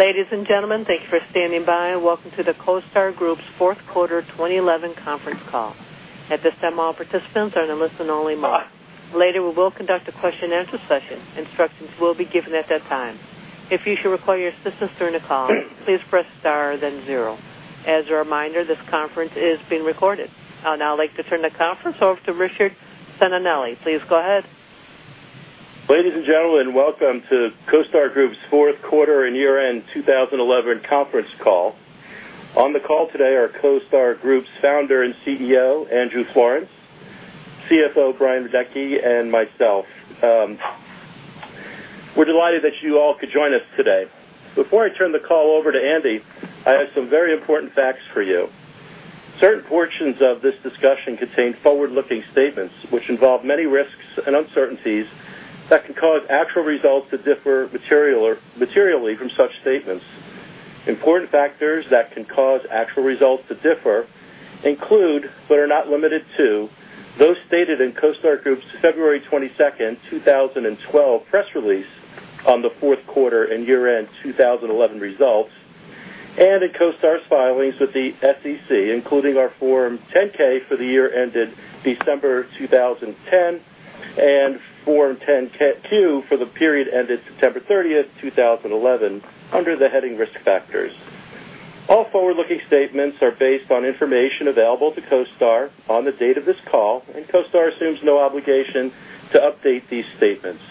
Ladies and gentlemen, thank you for standing by. Welcome to the CoStar Group's Fourth Quarter 2011 Conference Call. At this time, all participants are in a listen-only mode. Later, we will conduct a question and answer session. Instructions will be given at that time. If you should require your assistance during the call, please press star then zero. As a reminder, this conference is being recorded. I would now like to turn the conference over to Richard Simonelli. Please go ahead. Ladies and gentlemen, welcome to CoStar Group's fourth quarter and year-end 2011 conference call. On the call today are CoStar Group's Founder and CEO, Andrew Florance, CFO, Brian Radecki, and myself. We're delighted that you all could join us today. Before I turn the call over to Andy, I have some very important facts for you. Certain portions of this discussion contain forward-looking statements, which involve many risks and uncertainties that can cause actual results to differ materially from such statements. Important factors that can cause actual results to differ include, but are not limited to, those stated in CoStar Group's February 22nd, 2012, press release on the fourth quarter and year-end 2011 results, and in CoStar's filings with the SEC, including our Form 10-K for the year ended December 2010 and Form 10-Q for the period ended September 30th, 2011, under the heading Risk Factors. All forward-looking statements are based on information available to CoStar on the date of this call, and CoStar assumes no obligation to update these statements.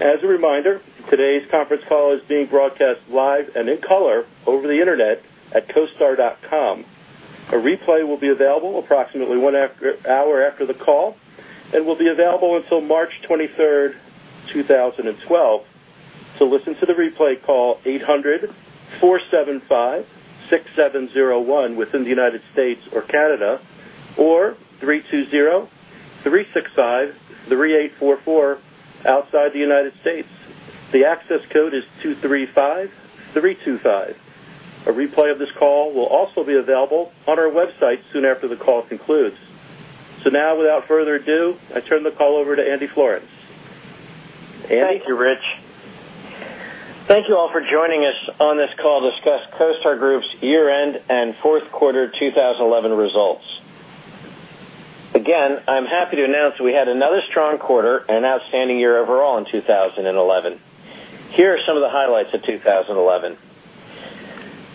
As a reminder, today's conference call is being broadcast live and in color over the internet at costar.com. A replay will be available approximately one hour after the call and will be available until March 23rd, 2012. To listen to the replay, call 800-475-6701 within the United States or Canada, or 320-365-3844 outside the United States. The access code is 235325. A replay of this call will also be available on our website soon after the call concludes. Now, without further ado, I turn the call over to Andy Florance. Andy. Thank you, Rich. Thank you all for joining us on this call to discuss CoStar Group's year-end and fourth quarter 2011 results. Again, I'm happy to announce that we had another strong quarter and outstanding year overall in 2011. Here are some of the highlights of 2011.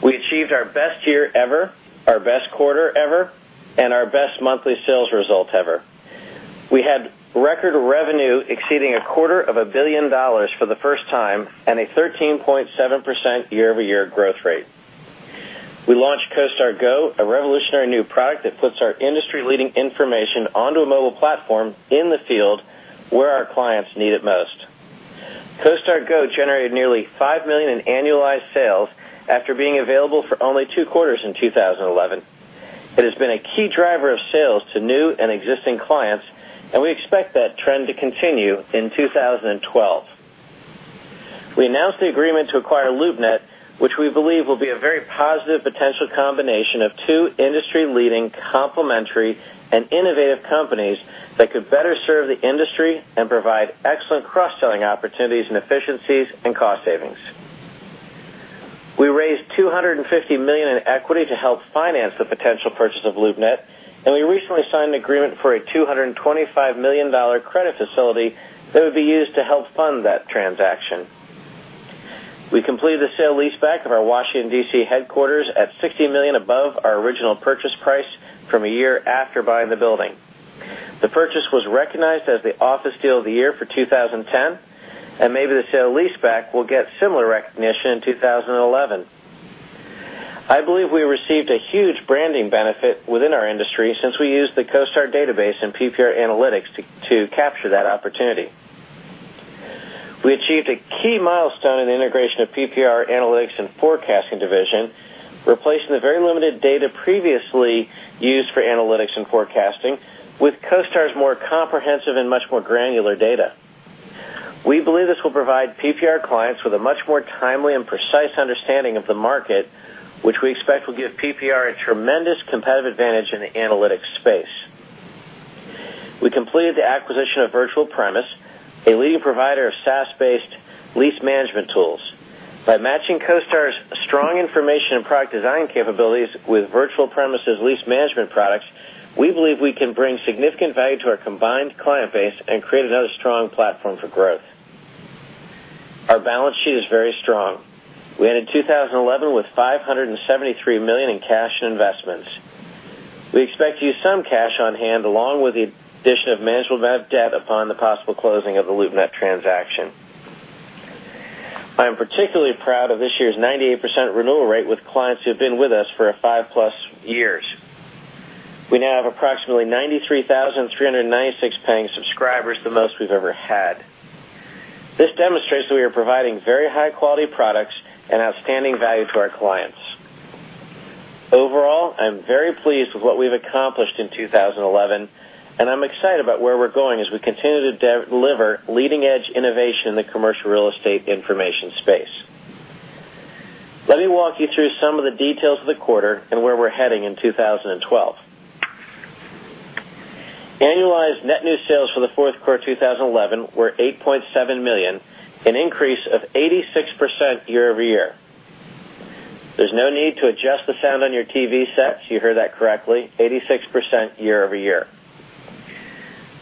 We achieved our best year ever, our best quarter ever, and our best monthly sales result ever. We had record revenue exceeding a quarter of a billion dollars for the first time and a 13.7% year-over-year growth rate. We launched CoStar Go, a revolutionary new product that puts our industry-leading information onto a mobile platform in the field where our clients need it most. CoStar Go generated nearly $5 million in annualized sales after being available for only two quarters in 2011. It has been a key driver of sales to new and existing clients, and we expect that trend to continue in 2012. We announced the agreement to acquire LoopNet, which we believe will be a very positive potential combination of two industry-leading, complementary, and innovative companies that could better serve the industry and provide excellent cross-selling opportunities and efficiencies and cost savings. We raised $250 million in equity to help finance the potential purchase of LoopNet, and we recently signed an agreement for a $225 million credit facility that would be used to help fund that transaction. We completed the sale leaseback of our Washington, D.C., headquarters at $60 million above our original purchase price from a year after buying the building. The purchase was recognized as the office deal of the year for 2010, and maybe the sale leaseback will get similar recognition in 2011. I believe we received a huge branding benefit within our industry since we used the CoStar database and PPR analytics to capture that opportunity. We achieved a key milestone in the integration of PPR analytics and forecasting division, replacing the very limited data previously used for analytics and forecasting with CoStar's more comprehensive and much more granular data. We believe this will provide PPR clients with a much more timely and precise understanding of the market, which we expect will give PPR a tremendous competitive advantage in the analytics space. We completed the acquisition of Virtual Premise, a leading provider of SaaS-based lease management tools. By matching CoStar's strong information and product design capabilities with Virtual Premise's lease management products, we believe we can bring significant value to our combined client base and create another strong platform for growth. Our balance sheet is very strong. We ended 2011 with $573 million in cash and investments. We expect to use some cash on hand, along with the addition of a manageable amount of debt upon the possible closing of the LoopNet transaction. I am particularly proud of this year's 98% renewal rate with clients who have been with us for 5+ years. We now have approximately 93,396 paying subscribers, the most we've ever had. This demonstrates that we are providing very high-quality products and outstanding value to our clients. Overall, I'm very pleased with what we've accomplished in 2011, and I'm excited about where we're going as we continue to deliver leading-edge innovation in the commercial real estate information space. Let me walk you through some of the details of the quarter and where we're heading in 2012. Annualized net new sales for the fourth quarter of 2011 were $8.7 million, an increase of 86% year-over-year. There's no need to adjust the sound on your TV set. You heard that correctly – 86% year-over-year.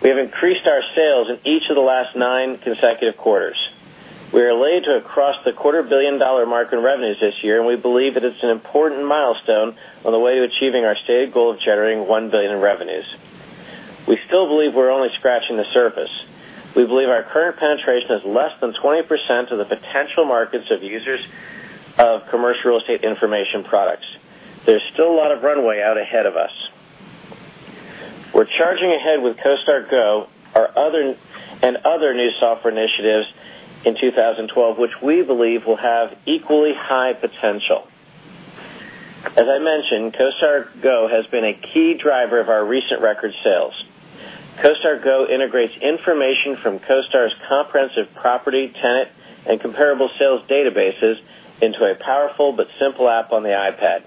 We have increased our sales in each of the last nine consecutive quarters. We are laying to cross the quarter-billion-dollar mark in revenues this year, and we believe that it's an important milestone on the way to achieving our stated goal of generating $1 billion in revenues. We still believe we're only scratching the surface. We believe our current penetration is less than 20% of the potential markets of users of commercial real estate information products. There's still a lot of runway out ahead of us. We're charging ahead with CoStar Go and other new software initiatives in 2012, which we believe will have equally high potential. As I mentioned, CoStar Go has been a key driver of our recent record sales. CoStar Go integrates information from CoStar's comprehensive property, tenant, and comparable sales databases into a powerful but simple app on the iPad.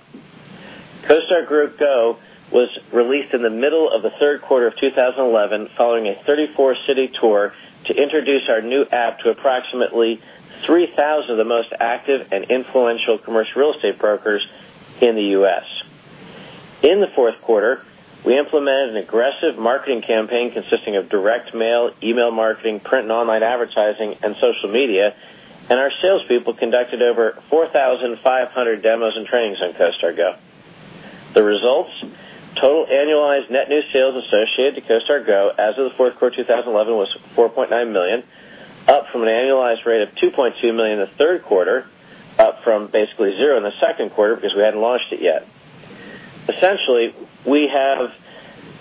CoStar Go was released in the middle of the third quarter of 2011 following a 34-city tour to introduce our new app to approximately 3,000 of the most active and influential commercial real estate brokers in the U.S. In the fourth quarter, we implemented an aggressive marketing campaign consisting of direct mail, email marketing, print and online advertising, and social media, and our salespeople conducted over 4,500 demos and trainings on CoStar Go. The results: total annualized net new sales associated to CoStar Go as of the fourth quarter of 2011 was $4.9 million, up from an annualized rate of $2.2 million in the third quarter, up from basically zero in the second quarter because we hadn't launched it yet. Essentially, we have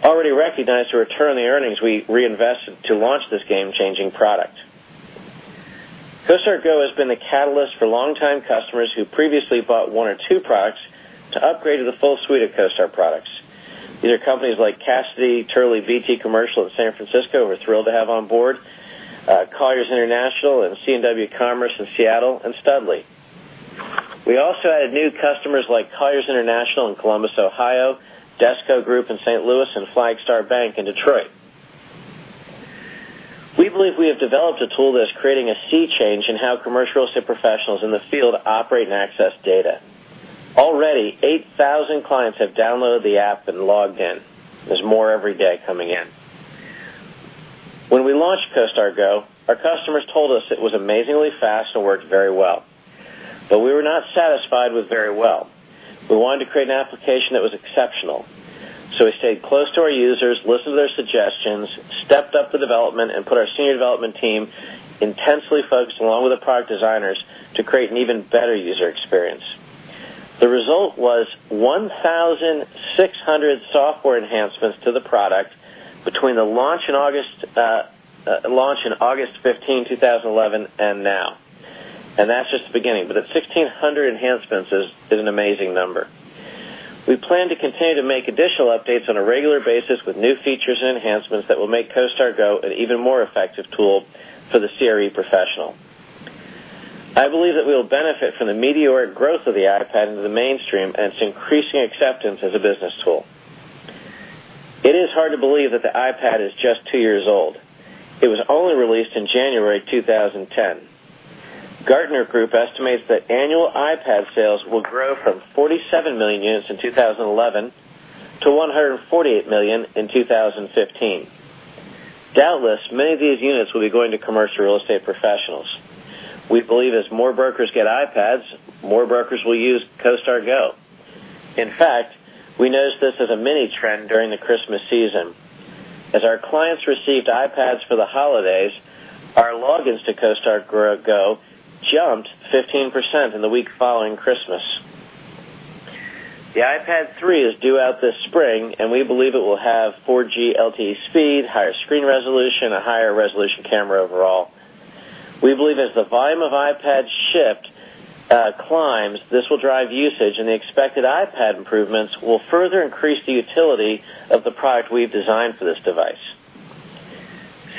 already recognized a return on the earnings we reinvested to launch this game-changing product. CoStar Go has been the catalyst for long-time customers who previously bought one or two products to upgrade to the full suite of CoStar products. These are companies like Cassidy Turley BT Commercial in San Francisco, we're thrilled to have on board, Colliers International and CNW Commerce in Seattle, and Studley. We also added new customers like Colliers International in Columbus, Ohio, Desco Group in St. Louis, and Flagstar Bank in Detroit. We believe we have developed a tool that's creating a sea change in how commercial real estate professionals in the field operate and access data. Already, 8,000 clients have downloaded the app and logged in. There's more every day coming in. When we launched CoStar Go, our customers told us it was amazingly fast and worked very well. We were not satisfied with "very well." We wanted to create an application that was exceptional. We stayed close to our users, listened to their suggestions, stepped up the development, and put our senior development team intensely focused, along with the product designers, to create an even better user experience. The result was 1,600 software enhancements to the product between the launch on August 15, 2011, and now. That's just the beginning, but 1,600 enhancements is an amazing number. We plan to continue to make additional updates on a regular basis with new features and enhancements that will make CoStar Go an even more effective tool for the CRE professional. I believe that we'll benefit from the meteoric growth of the iPad into the mainstream and its increasing acceptance as a business tool. It is hard to believe that the iPad is just two years old. It was only released in January 2010. Gartner Group estimates that annual iPad sales will grow from 47 million units in 2011 to 148 million in 2015. Doubtless, many of these units will be going to commercial real estate professionals. We believe as more brokers get iPads, more brokers will use CoStar Go. In fact, we noticed this as a mini trend during the Christmas season. As our clients received iPads for the holidays, our logins to CoStar Go jumped 15% in the week following Christmas. The iPad 3 is due out this spring, and we believe it will have 4G LTE speed, higher screen resolution, and a higher resolution camera overall. We believe as the volume of iPads shipped climbs, this will drive usage, and the expected iPad improvements will further increase the utility of the product we've designed for this device.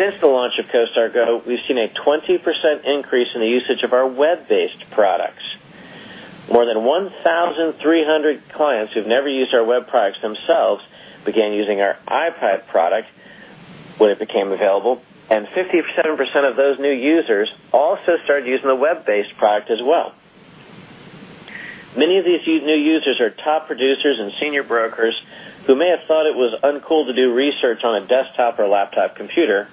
Since the launch of CoStar Go, we've seen a 20% increase in the usage of our web-based products. More than 1,300 clients who've never used our web products themselves began using our iPad product when it became available, and 57% of those new users also started using the web-based product as well. Many of these new users are top producers and senior brokers who may have thought it was uncool to do research on a desktop or laptop computer,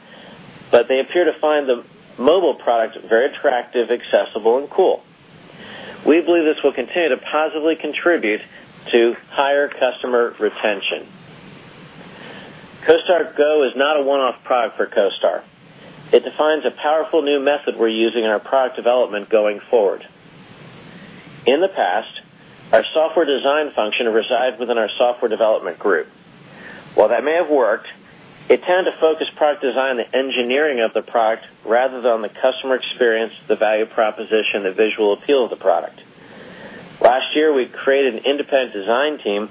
but they appear to find the mobile product very attractive, accessible, and cool. We believe this will continue to positively contribute to higher customer retention. CoStar Go is not a one-off product for CoStar Group. It defines a powerful new method we're using in our product development going forward. In the past, our software design function resided within our software development group. While that may have worked, it tended to focus product design and the engineering of the product rather than on the customer experience, the value proposition, and the visual appeal of the product. Last year, we created an independent design team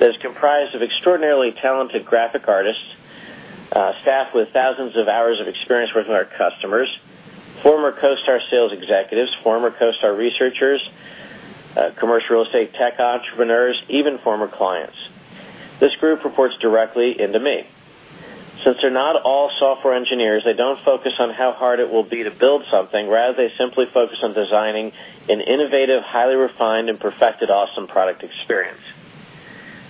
that is comprised of extraordinarily talented graphic artists, staff with thousands of hours of experience working with our customers, former CoStar sales executives, former CoStar researchers, commercial real estate tech entrepreneurs, even former clients. This group reports directly into me. Since they're not all software engineers, they don't focus on how hard it will be to build something; rather, they simply focus on designing an innovative, highly refined, and perfected awesome product experience.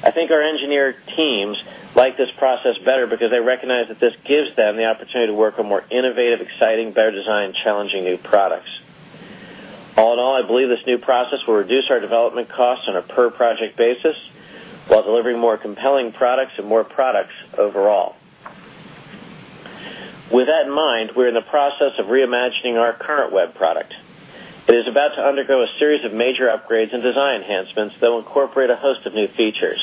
I think our engineer teams like this process better because they recognize that this gives them the opportunity to work on more innovative, exciting, better designed, challenging new products. All in all, I believe this new process will reduce our development costs on a per-project basis while delivering more compelling products and more products overall. With that in mind, we're in the process of reimagining our current web product. It is about to undergo a series of major upgrades and design enhancements that will incorporate a host of new features.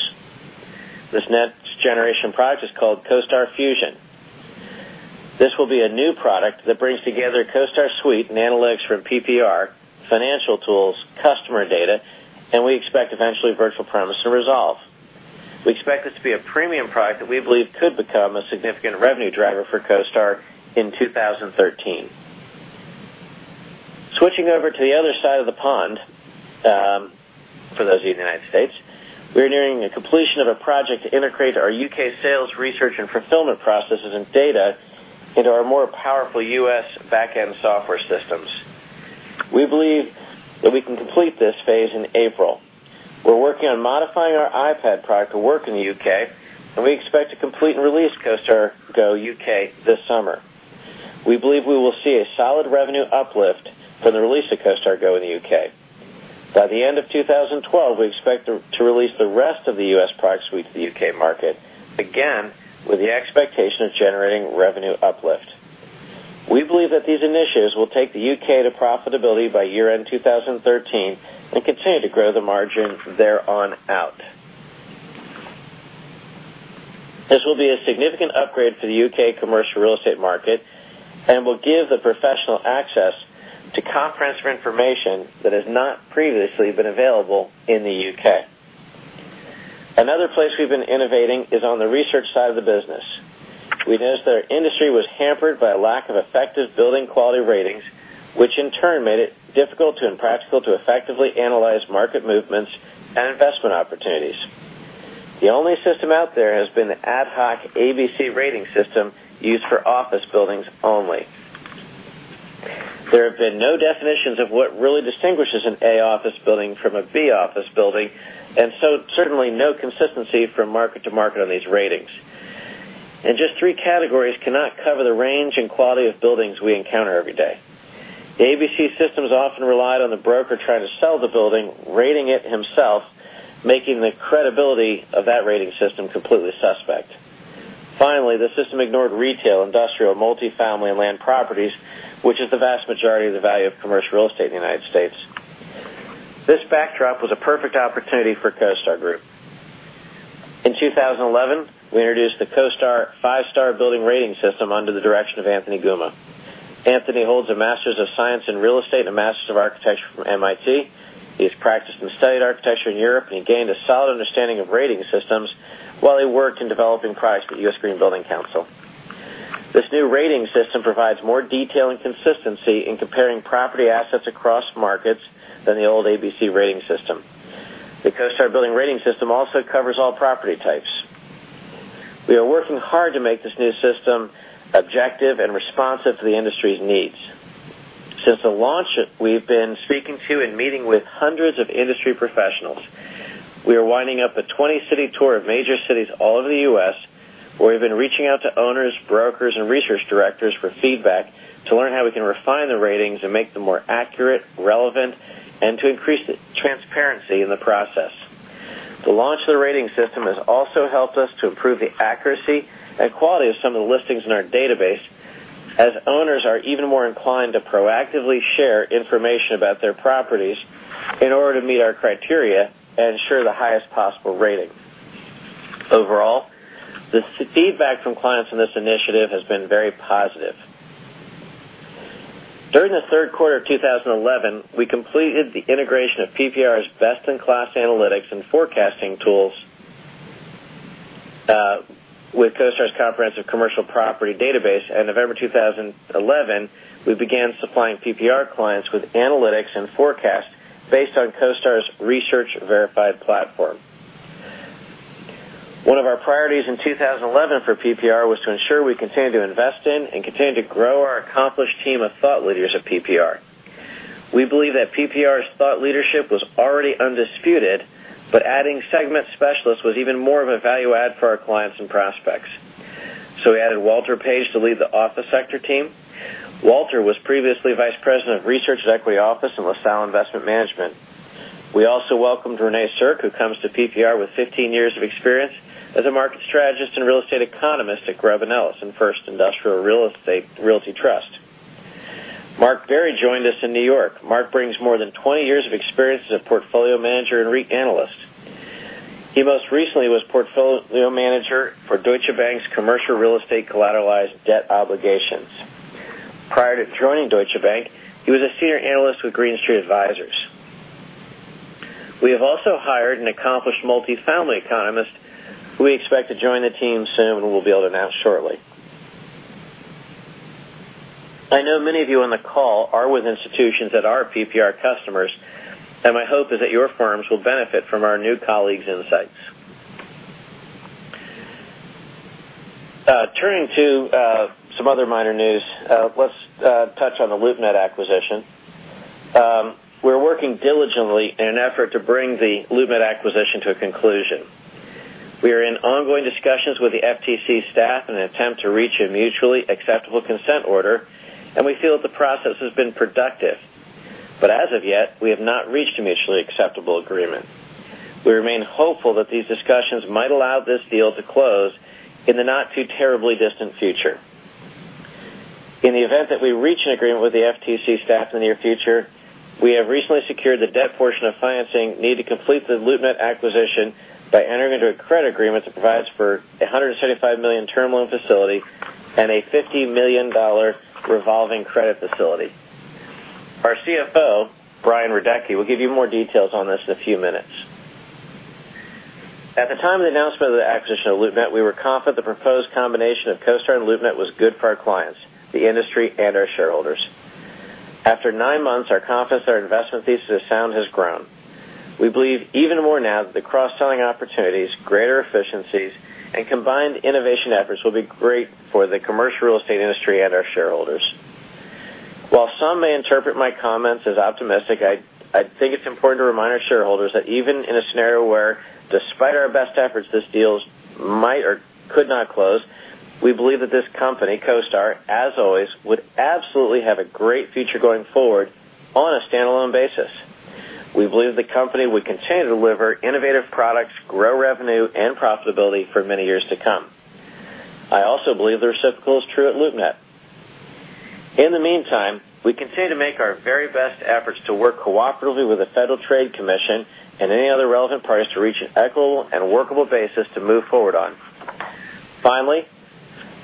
This next generation product is called CoStar Fusion. This will be a new product that brings together CoStar's suite and analytics from PPR, financial tools, customer data, and we expect eventually Virtual Premise and Resolve. We expect this to be a premium product that we believe could become a significant revenue driver for CoStar in 2013. Switching over to the other side of the pond, for those in the United States, we're nearing the completion of a project to integrate our U.K. sales research and fulfillment processes and data into our more powerful U.S. backend software systems. We believe that we can complete this phase in April. We're working on modifying our iPad product to work in the U.K., and we expect to complete and release CoStar Go UK this summer. We believe we will see a solid revenue uplift from the release of CoStar Go in the U.K. By the end of 2012, we expect to release the rest of the U.S. product suite to the U.K. market, again with the expectation of generating revenue uplift. We believe that these initiatives will take the U.K. to profitability by year-end 2013 and continue to grow the margin from there on out. This will be a significant upgrade for the U.K. commercial real estate market and will give the professional access to comprehensive information that has not previously been available in the U.K. Another place we've been innovating is on the research side of the business. We noticed that our industry was hampered by a lack of effective building quality ratings, which in turn made it difficult and practical to effectively analyze market movements and investment opportunities. The only system out there has been the ad hoc ABC rating system used for office buildings only. There have been no definitions of what really distinguishes an A office building from a B office building, and so certainly no consistency from market to market on these ratings. Just three categories cannot cover the range and quality of buildings we encounter every day. The ABC systems often relied on the broker trying to sell the building, rating it himself, making the credibility of that rating system completely suspect. Finally, the system ignored retail, industrial, multifamily, and land properties, which is the vast majority of the value of commercial real estate in the United States. This backdrop was a perfect opportunity for CoStar Group. In 2011, we introduced the CoStar Five-Star Building Rating System under the direction of Anthony Gumma. Anthony holds a Master of Science in Real Estate and a Master of Architecture from MIT. He's practiced and studied architecture in Europe, and he gained a solid understanding of rating systems while he worked in developing products for the U.S. Green Building Council. This new rating system provides more detail and consistency in comparing property assets across markets than the old ABC rating system. The CoStar Building Rating System also covers all property types. We are working hard to make this new system objective and responsive to the industry's needs. Since the launch, we've been speaking to and meeting with hundreds of industry professionals. We are winding up a 20-city tour of major cities all over the U.S., where we've been reaching out to owners, brokers, and research directors for feedback to learn how we can refine the ratings and make them more accurate, relevant, and to increase the transparency in the process. The launch of the rating system has also helped us to improve the accuracy and quality of some of the listings in our database, as owners are even more inclined to proactively share information about their properties in order to meet our criteria and ensure the highest possible rating. Overall, the feedback from clients in this initiative has been very positive. During the third quarter of 2011, we completed the integration of PPR's best-in-class analytics and forecasting tools with CoStar's comprehensive commercial property database. In November 2011, we began supplying PPR clients with analytics and forecasts based on CoStar's research-verified platform. One of our priorities in 2011 for PPR was to ensure we continue to invest in and continue to grow our accomplished team of thought leaders at PPR. We believe that PPR's thought leadership was already undisputed, but adding segment specialists was even more of a value add for our clients and prospects. We added Walter Paige to lead the office sector team. Walter was previously Vice President of Research and Equity Office in LaSalle Investment Management. We also welcomed Renee Sirk, who comes to PPR with 15 years of experience as a market strategist and real estate economist at Grubb & Ellis and First Industrial Realty Trust. Mark Barry joined us in New York. Mark brings more than 20 years of experience as a portfolio manager and REIT analyst. He most recently was portfolio manager for Deutsche Bank's commercial real estate collateralized debt obligations. Prior to joining Deutsche Bank, he was a Senior Analyst with Green Street Advisors. We have also hired an accomplished multifamily economist who we expect to join the team soon and will be able to announce shortly. I know many of you on the call are with institutions that are PPR customers, and my hope is that your firms will benefit from our new colleagues' insights. Turning to some other minor news, let's touch on the LoopNet acquisition. We're working diligently in an effort to bring the LoopNet acquisition to a conclusion. We are in ongoing discussions with the FTC staff in an attempt to reach a mutually acceptable consent order, and we feel that the process has been productive. As of yet, we have not reached a mutually acceptable agreement. We remain hopeful that these discussions might allow this deal to close in the not too terribly distant future. In the event that we reach an agreement with the FTC staff in the near future, we have recently secured the debt portion of financing needed to complete the LoopNet acquisition by entering into a credit agreement that provides for a $175 million term loan facility and a $50 million revolving credit facility. Our CFO, Brian Radecki, will give you more details on this in a few minutes. At the time of the announcement of the acquisition of LoopNet, we were confident the proposed combination of CoStar Group and LoopNet was good for our clients, the industry, and our shareholders. After nine months, our confidence in our investment thesis is sound has grown. We believe even more now that the cross-selling opportunities, greater efficiencies, and combined innovation efforts will be great for the commercial real estate industry and our shareholders. While some may interpret my comments as optimistic, I think it's important to remind our shareholders that even in a scenario where, despite our best efforts, this deal might or could not close, we believe that this company, CoStar Group, as always, would absolutely have a great future going forward on a standalone basis. We believe the company would continue to deliver innovative products, grow revenue, and profitability for many years to come. I also believe the reciprocal is true at LoopNet. In the meantime, we continue to make our very best efforts to work cooperatively with the Federal Trade Commission and any other relevant parties to reach an equitable and workable basis to move forward on. Finally,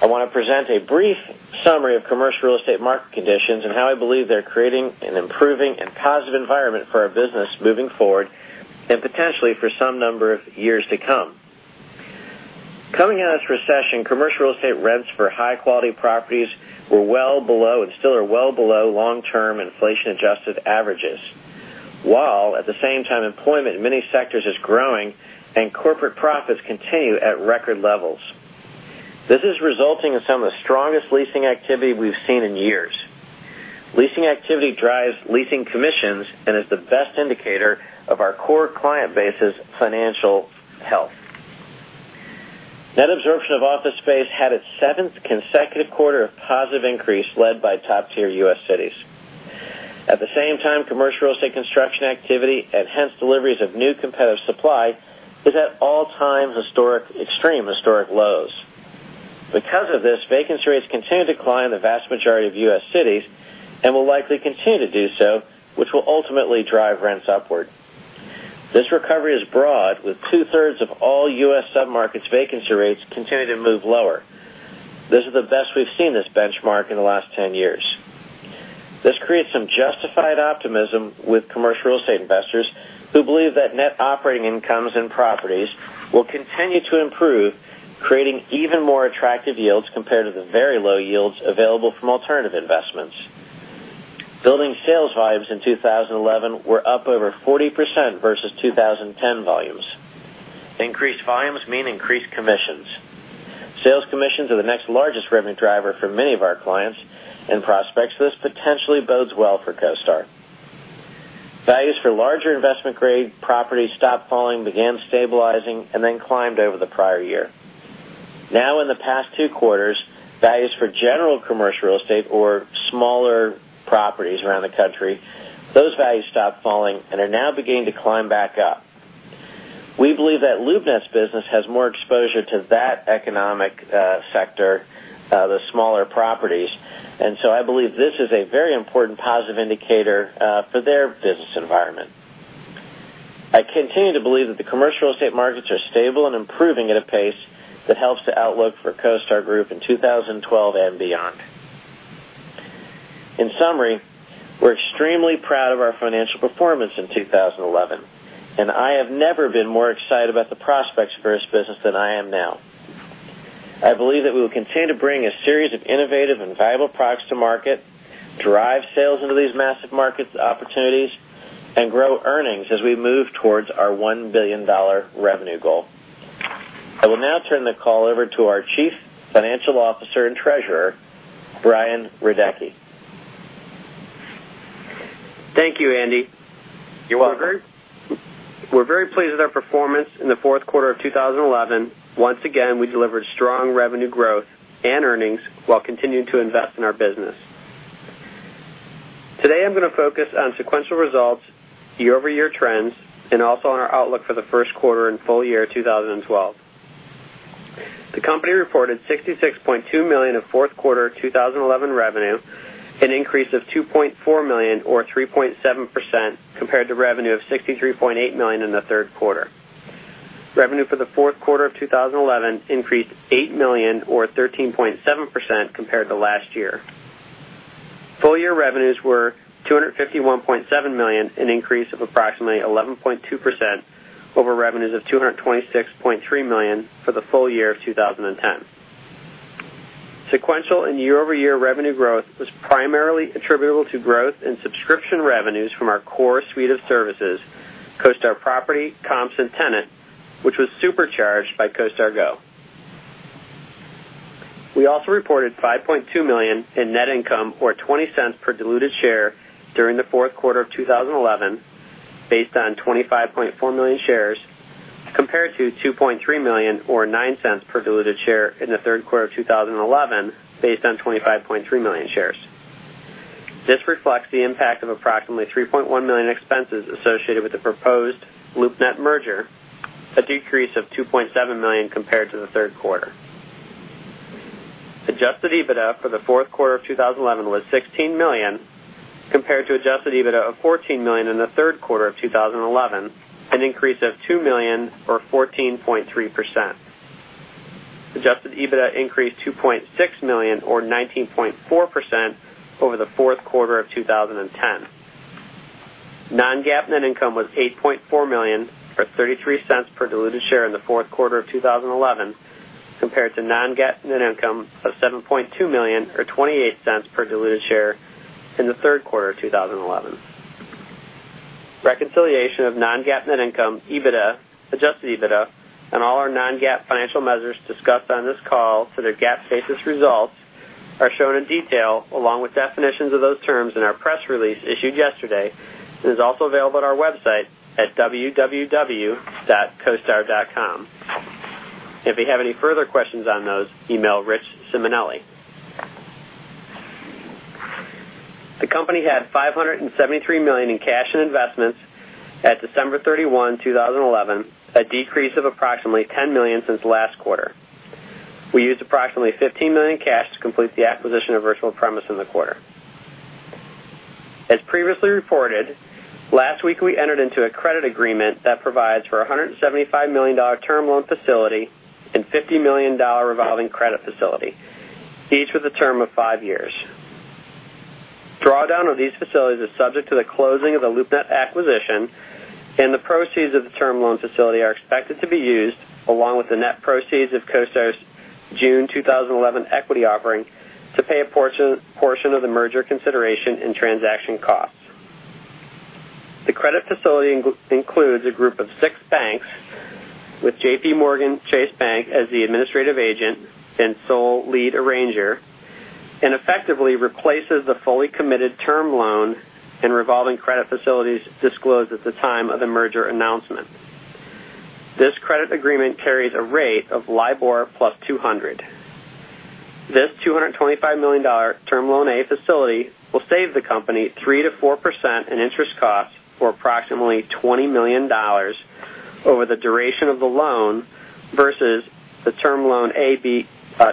I want to present a brief summary of commercial real estate market conditions and how I believe they're creating an improving and positive environment for our business moving forward and potentially for some number of years to come. Coming out of the recession, commercial real estate rents for high-quality properties were well below and still are well below long-term inflation-adjusted averages, while at the same time, employment in many sectors is growing and corporate profits continue at record levels. This is resulting in some of the strongest leasing activity we've seen in years. Leasing activity drives leasing commissions and is the best indicator of our core client base's financial health. Net absorption of office space had its seventh consecutive quarter of positive increase led by top-tier U.S. cities. At the same time, commercial real estate construction activity and hence deliveries of new competitive supply is at all times extreme historic lows. Because of this, vacancy rates continue to decline in the vast majority of U.S. cities and will likely continue to do so, which will ultimately drive rents upward. This recovery is broad, with two-thirds of all U.S. submarkets' vacancy rates continuing to move lower. This is the best we've seen this benchmark in the last 10 years. This creates some justified optimism with commercial real estate investors who believe that net operating incomes and properties will continue to improve, creating even more attractive yields compared to the very low yields available from alternative investments. Building sales volumes in 2011 were up over 40% versus 2010 volumes. Increased volumes mean increased commissions. Sales commissions are the next largest revenue driver for many of our clients, and prospects for this potentially bodes well for CoStar. Values for larger investment-grade properties stopped falling, began stabilizing, and then climbed over the prior year. Now, in the past two quarters, values for general commercial real estate or smaller properties around the country, those values stopped falling and are now beginning to climb back up. We believe that LoopNet's business has more exposure to that economic sector, the smaller properties, and so I believe this is a very important positive indicator for their business environment. I continue to believe that the commercial real estate markets are stable and improving at a pace that helps the outlook for CoStar Group in 2012 and beyond. In summary, we're extremely proud of our financial performance in 2011, and I have never been more excited about the prospects for this business than I am now. I believe that we will continue to bring a series of innovative and valuable products to market, drive sales into these massive market opportunities, and grow earnings as we move towards our $1 billion revenue goal. I will now turn the call over to our Chief Financial Officer and Treasurer, Brian Radecki. Thank you, Andy. You're welcome. We're very pleased with our performance in the fourth quarter of 2011. Once again, we delivered strong revenue growth and earnings while continuing to invest in our business. Today, I'm going to focus on sequential results, year-over-year trends, and also on our outlook for the first quarter and full year of 2012. The company reported $66.2 million of fourth quarter 2011 revenue, an increase of $2.4 million or 3.7% compared to revenue of $63.8 million in the third quarter. Revenue for the fourth quarter of 2011 increased $8 million or 13.7% compared to last year. Full-year revenues were $251.7 million, an increase of approximately 11.2% over revenues of $226.3 million for the full year of 2010. Sequential and year-over-year revenue growth was primarily attributable to growth in subscription revenues from our core suite of services, CoStar Property, Comps, and Tenant, which was supercharged by CoStar Go. We also reported $5.2 million in net income or $0.20 per diluted share during the fourth quarter of 2011, based on 25.4 million shares, compared to $2.3 million or $0.09 per diluted share in the third quarter of 2011, based on 25.3 million shares. This reflects the impact of approximately $3.1 million expenses associated with the proposed LoopNet merger, a decrease of $2.7 million compared to the third quarter. Adjusted EBITDA for the fourth quarter of 2011 was $16 million compared to adjusted EBITDA of $14 million in the third quarter of 2011, an increase of $2 million or 14.3%. Adjusted EBITDA increased $2.6 million or 19.4% over the fourth quarter of 2010. Non-GAAP net income was $8.4 million or $0.33 per diluted share in the fourth quarter of 2011, compared to non-GAAP net income of $7.2 million or $0.28 per diluted share in the third quarter of 2011. Reconciliation of non-GAAP net income, EBITDA, adjusted EBITDA, and all our non-GAAP financial measures discussed on this call to their GAAP basis results are shown in detail along with definitions of those terms in our press release issued yesterday and is also available at our website at www.costar.com. If you have any further questions on those, email Richard Simonelli. The company had $573 million in cash and investments at December 31, 2011, a decrease of approximately $10 million since the last quarter. We used approximately $15 million in cash to complete the acquisition of Virtual Premise in the quarter. As previously reported, last week we entered into a credit agreement that provides for a $175 million term loan facility and a $50 million revolving credit facility, each with a term of five years. Drawdown of these facilities is subject to the closing of the LoopNet acquisition, and the proceeds of the term loan facility are expected to be used, along with the net proceeds of CoStar's June 2011 equity offering, to pay a portion of the merger consideration and transaction costs. The credit facility includes a group of six banks with JPMorgan Chase Bank as the administrative agent and sole lead arranger, and effectively replaces the fully committed term loan and revolving credit facilities disclosed at the time of the merger announcement. This credit agreement carries a rate of LIBOR plus 200. This $225 million term loan A facility will save the company 3% to 4% in interest costs for approximately $20 million over the duration of the loan versus the term loan A, B,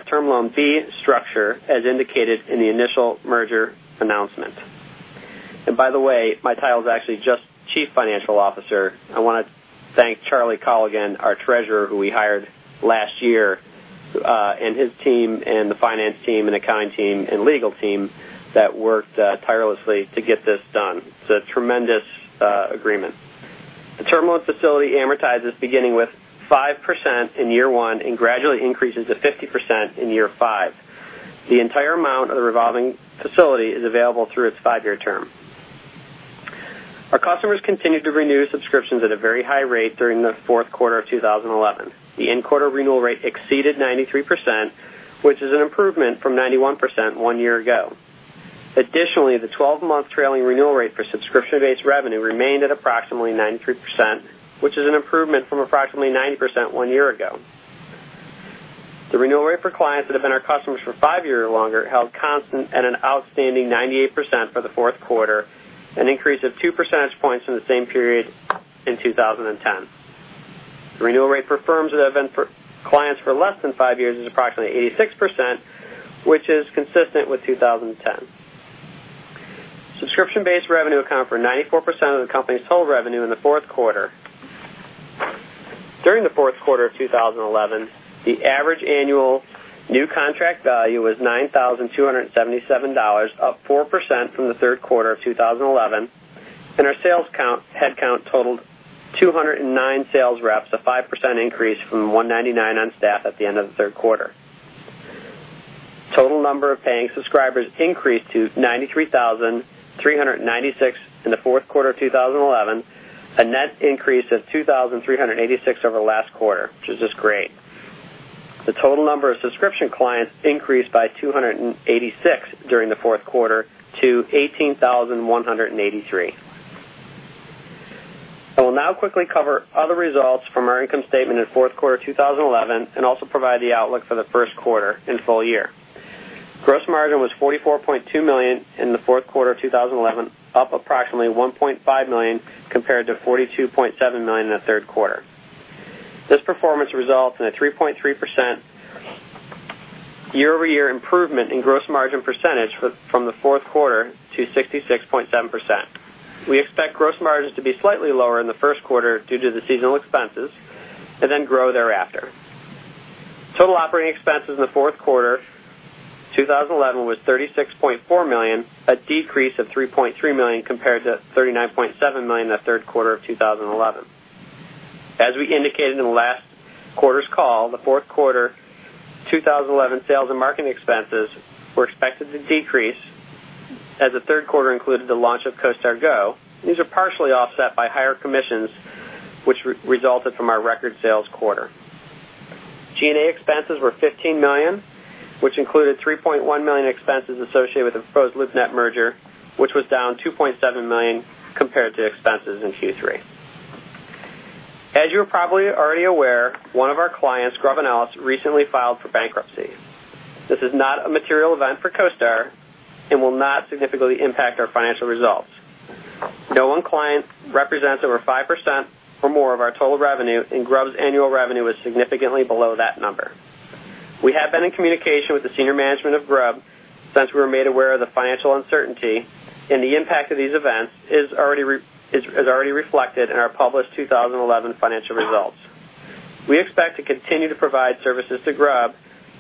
term loan B structure as indicated in the initial merger announcement. By the way, my title is actually just Chief Financial Officer. I want to thank Charlie Colligan, our Treasurer, who we hired last year, and his team and the finance team and accounting team and legal team that worked tirelessly to get this done. It's a tremendous agreement. The term loan facility amortizes beginning with 5% in year one and gradually increases to 50% in year five. The entire amount of the revolving facility is available through its five-year term. Our customers continued to renew subscriptions at a very high rate during the fourth quarter of 2011. The end-quarter renewal rate exceeded 93%, which is an improvement from 91% one year ago. Additionally, the 12-month trailing renewal rate for subscription-based revenue remained at approximately 93%, which is an improvement from approximately 90% one year ago. The renewal rate for clients that have been our customers for five years or longer held constant at an outstanding 98% for the fourth quarter, an increase of two percentage points from the same period in 2010. The renewal rate for firms that have been clients for less than five years is approximately 86%, which is consistent with 2010. Subscription-based revenue accounted for 94% of the company's whole revenue in the fourth quarter. During the fourth quarter of 2011, the average annual new contract value was $9,277, up 4% from the third quarter of 2011, and our sales headcount totaled 209 sales reps, a 5% increase from 199 on staff at the end of the third quarter. Total number of paying subscribers increased to 93,396 in the fourth quarter of 2011, a net increase of 2,386 over the last quarter, which is just great. The total number of subscription clients increased by 286 during the fourth quarter to 18,183. I will now quickly cover other results from our income statement in the fourth quarter of 2011 and also provide the outlook for the first quarter and full year. Gross margin was $44.2 million in the fourth quarter of 2011, up approximately $1.5 million compared to $42.7 million in the third quarter. This performance results in a 3.3% year-over-year improvement in gross margin percentage from the fourth quarter to 66.7%. We expect gross margins to be slightly lower in the first quarter due to the seasonal expenses and then grow thereafter. Total operating expenses in the fourth quarter of 2011 were $36.4 million, a decrease of $3.3 million compared to $39.7 million in the third quarter of 2011. As we indicated in the last quarter's call, the fourth quarter of 2011 sales and marketing expenses were expected to decrease as the third quarter included the launch of CoStar Go. These are partially offset by higher commissions, which resulted from our record sales quarter. G&A expenses were $15 million, which included $3.1 million expenses associated with the proposed LoopNet merger, which was down $2.7 million compared to expenses in Q3. As you are probably already aware, one of our clients, Grubb & Ellis, recently filed for bankruptcy. This is not a material event for CoStar Group and will not significantly impact our financial results. No one client represents over 5% or more of our total revenue, and Grubb's annual revenue is significantly below that number. We have been in communication with the senior management of Grubb since we were made aware of the financial uncertainty, and the impact of these events is already reflected in our published 2011 financial results. We expect to continue to provide services to Grubb,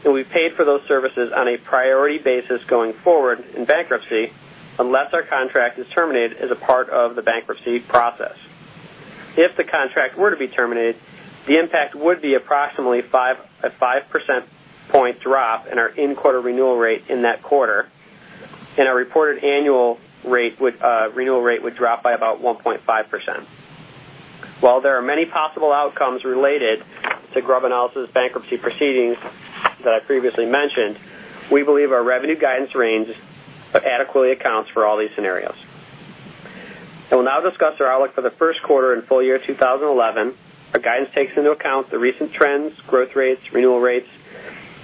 and be paid for those services on a priority basis going forward in bankruptcy unless our contract is terminated as a part of the bankruptcy process. If the contract were to be terminated, the impact would be approximately a 5% point drop in our in-quarter renewal rate in that quarter, and our reported annual rate would drop by about 1.5%. While there are many possible outcomes related to Grubb & Ellis' bankruptcy proceedings that I previously mentioned, we believe our revenue guidance range adequately accounts for all these scenarios. I will now discuss our outlook for the first quarter and full year of 2011. Our guidance takes into account the recent trends, growth rates, renewal rates,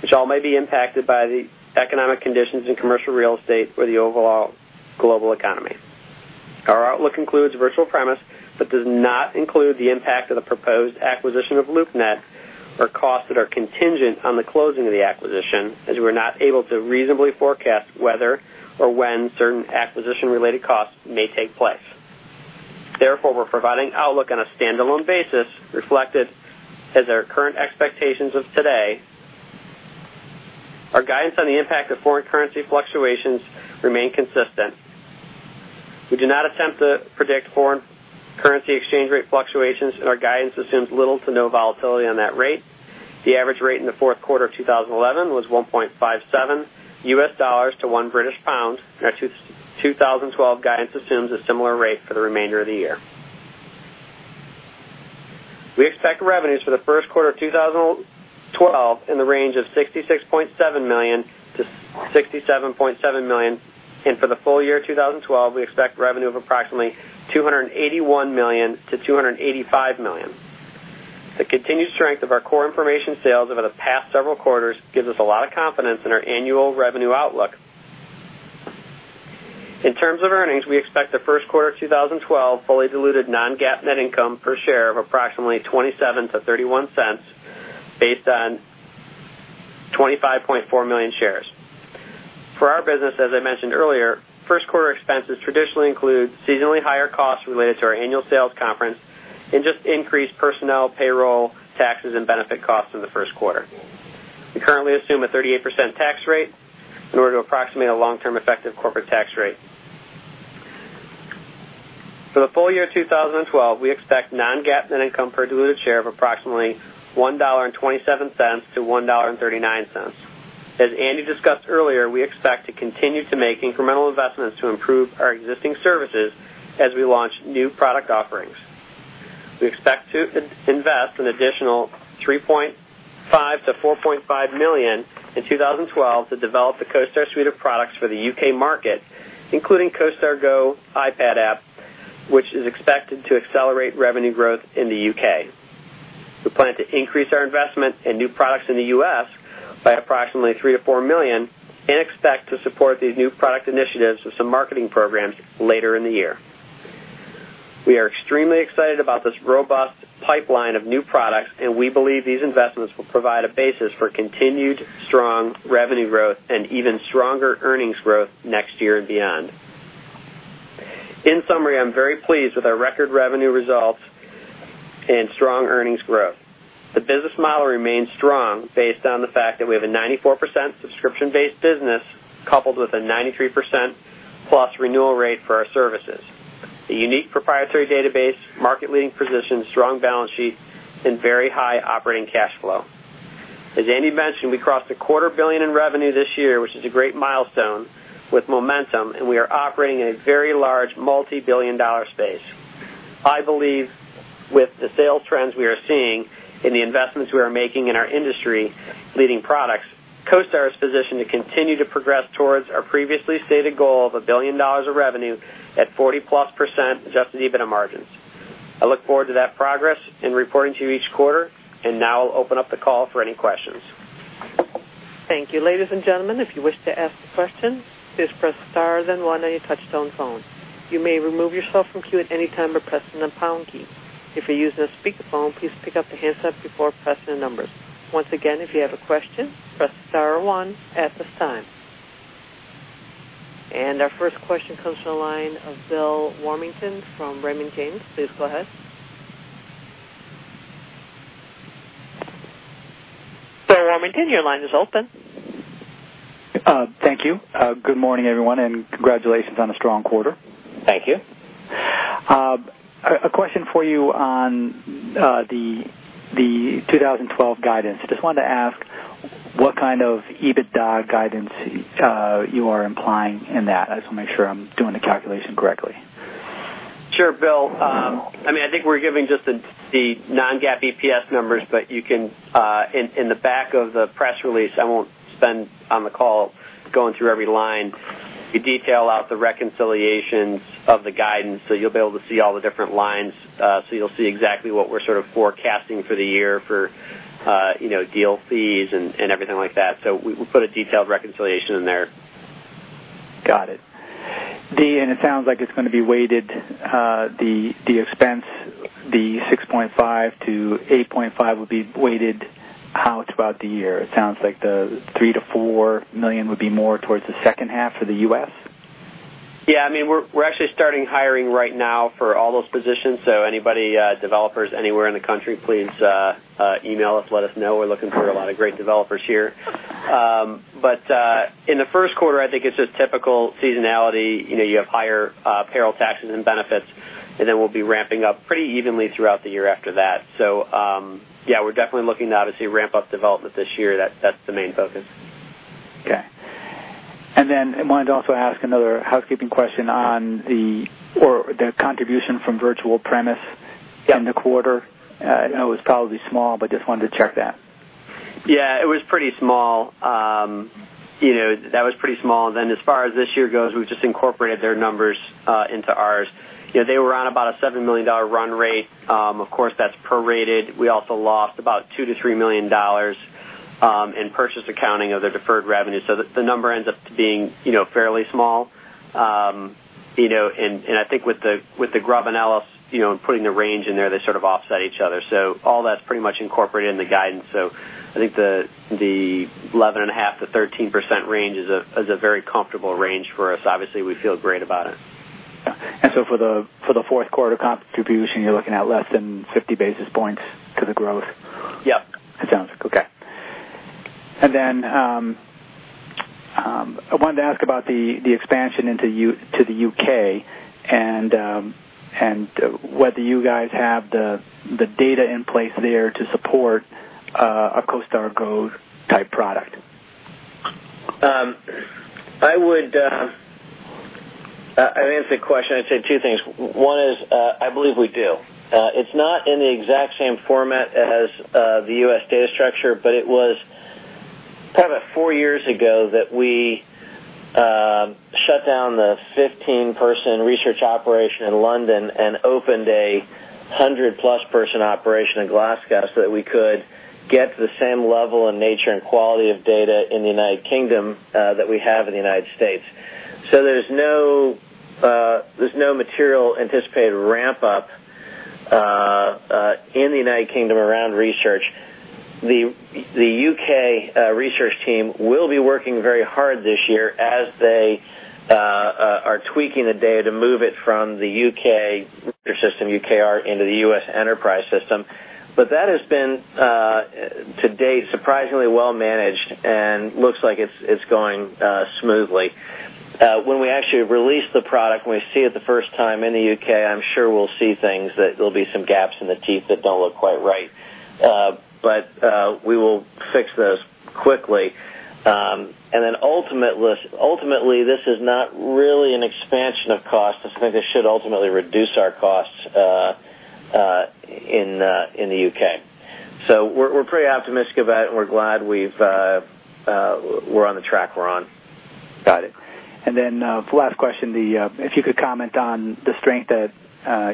which all may be impacted by the economic conditions in commercial real estate or the overall global economy. Our outlook includes Virtual Premise, but does not include the impact of the proposed acquisition of LoopNet or costs that are contingent on the closing of the acquisition, as we're not able to reasonably forecast whether or when certain acquisition-related costs may take place. Therefore, we're providing an outlook on a standalone basis reflected as our current expectations of today. Our guidance on the impact of foreign currency fluctuations remains consistent. We do not attempt to predict foreign currency exchange rate fluctuations, and our guidance assumes little to no volatility on that rate. The average rate in the fourth quarter of 2011 was $1.57 to 1 British pound, and our 2012 guidance assumes a similar rate for the remainder of the year. We expect revenues for the first quarter of 2012 in the range of $66.7 million-$67.7 million, and for the full year of 2012, we expect revenue of approximately $281 million-$285 million. The continued strength of our core information sales over the past several quarters gives us a lot of confidence in our annual revenue outlook. In terms of earnings, we expect the first quarter of 2012 fully diluted non-GAAP net income per share of approximately $0.27-$0.31 based on 25.4 million shares. For our business, as I mentioned earlier, first-quarter expenses traditionally include seasonally higher costs related to our annual sales conference and just increased personnel, payroll, taxes, and benefit costs in the first quarter. We currently assume a 38% tax rate in order to approximate a long-term effective corporate tax rate. For the full year of 2012, we expect non-GAAP net income per diluted share of approximately $1.27-$1.39. As Andy discussed earlier, we expect to continue to make incremental investments to improve our existing services as we launch new product offerings. We expect to invest an additional $3.5 million-$4.5 million in 2012 to develop the CoStar suite of products for the U.K. market, including the CoStar Go iPad app, which is expected to accelerate revenue growth in the U.K. We plan to increase our investment in new products in the U.S. by approximately $3 million-$4 million and expect to support these new product initiatives with some marketing programs later in the year. We are extremely excited about this robust pipeline of new products, and we believe these investments will provide a basis for continued strong revenue growth and even stronger earnings growth next year and beyond. In summary, I'm very pleased with our record revenue results and strong earnings growth. The business model remains strong based on the fact that we have a 94% subscription-based business coupled with a 93%+ renewal rate for our services, a unique proprietary database, market-leading position, strong balance sheet, and very high operating cash flow. As Andy mentioned, we crossed a quarter billion in revenue this year, which is a great milestone with momentum, and we are operating in a very large multi-billion dollar space. I believe with the sales trends we are seeing and the investments we are making in our industry-leading products, CoStar Group is positioned to continue to progress towards our previously stated goal of a billion dollars of revenue at 40%+ adjusted EBITDA margins. I look forward to that progress and reporting to you each quarter, and now I'll open up the call for any questions. Thank you, ladies and gentlemen. If you wish to ask a question, please press the star on one of your touch-tone phones. You may remove yourself from queue at any time by pressing the pound key. If you're using a speaker phone, please pick up the headset before pressing the number. Once again, if you have a question, press the star one at this time. Our first question comes from the line of Bill Warmington from Raymond James. Please go ahead. Sir, your line is open. Thank you. Good morning, everyone, and congratulations on a strong quarter. Thank you. A question for you on the 2012 guidance. I just wanted to ask what kind of EBITDA guidance you are implying in that. I just want to make sure I'm doing the calculation correctly. Sure, Bill. I mean, I think we're giving just the non-GAAP EPS numbers, but you can in the back of the press release, I won't spend on the call going through every line. We detail out the reconciliations of the guidance, so you'll be able to see all the different lines. You'll see exactly what we're sort of forecasting for the year for, you know, deal fees and everything like that. We put a detailed reconciliation in there. Got it. It sounds like it's going to be weighted. The expense, the $6.5 million-$8.5 million, would be weighted out throughout the year. It sounds like the $3 million-$4 million would be more towards the second half for the U.S. Yeah, I mean, we're actually starting hiring right now for all those positions. Anybody, developers anywhere in the country, please email us, let us know. We're looking for a lot of great developers here. In the first quarter, I think it's just typical seasonality. You have higher payroll taxes and benefits, and then we'll be ramping up pretty evenly throughout the year after that. We're definitely looking to obviously ramp up development this year. That's the main focus. Okay. I wanted to also ask another housekeeping question on the contribution from Virtual Premise in the quarter. I know it was probably small, but I just wanted to check that. Yeah, it was pretty small. That was pretty small. As far as this year goes, we've just incorporated their numbers into ours. They were on about a $7 million run rate. Of course, that's prorated. We also lost about $2 million-$3 million in purchase accounting of their deferred revenue. The number ends up being fairly small. I think with the Grubb & Ellis putting the range in there, they sort of offset each other. All that's pretty much incorporated in the guidance. I think the 11.5%-13% range is a very comfortable range for us. Obviously, we feel great about it. For the fourth quarter contribution, you're looking at less than 50 basis points to the growth? Yep. It sounds like, okay. I wanted to ask about the expansion into the U.K. and whether you guys have the data in place there to support a CoStar Go type product. I would answer the question. I'd say two things. One is I believe we do. It's not in the exact same format as the U.S. data structure, but it was probably about four years ago that we shut down the 15-person research operation in London and opened a 100+ person operation in Glasgow so that we could get to the same level in nature and quality of data in the United Kingdom that we have in the United States. There's no material anticipated ramp-up in the United Kingdom around research. The U.K. research team will be working very hard this year as they are tweaking the data to move it from the U.K. research system, UKR, into the U.S. enterprise system. That has been, to date, surprisingly well managed and looks like it's going smoothly. When we actually release the product, when we see it the first time in the U.K., I'm sure we'll see things that there'll be some gaps in the teeth that don't look quite right. We will fix those quickly. Ultimately, this is not really an expansion of cost. I think this should ultimately reduce our costs in the U.K. We're pretty optimistic about it, and we're glad we're on the track we're on. Got it. For the last question, if you could comment on the strength that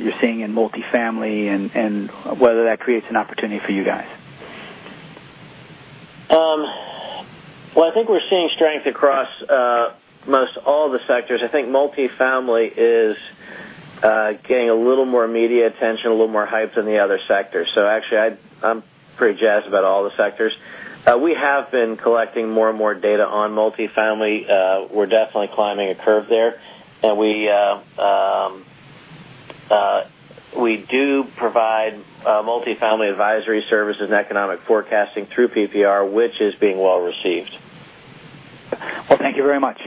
you're seeing in multifamily and whether that creates an opportunity for you guys. I think we're seeing strength across most all the sectors. I think multifamily is getting a little more media attention, a little more hype than the other sectors. Actually, I'm pretty jazzed about all the sectors. We have been collecting more and more data on multifamily. We're definitely climbing a curve there, and we do provide multifamily advisory services and economic forecasting through PPR, which is being well received. Thank you very much.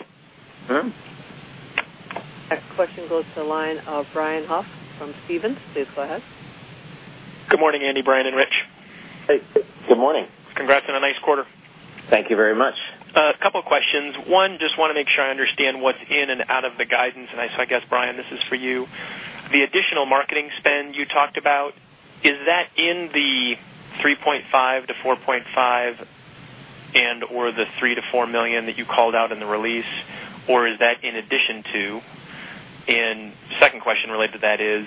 All right. Next question goes to the line of Brett Huff from Stephens. Please go ahead. Good morning, Andy, Brian, and Rich. Hey, good morning. Congrats on a nice quarter. Thank you very much. A couple of questions. One, just want to make sure I understand what's in and out of the guidance. I guess, Brian, this is for you. The additional marketing spend you talked about, is that in the $3.5 million-$4.5 million and/or the $3 million-$4 million that you called out in the release, or is that in addition to? The second question related to that is,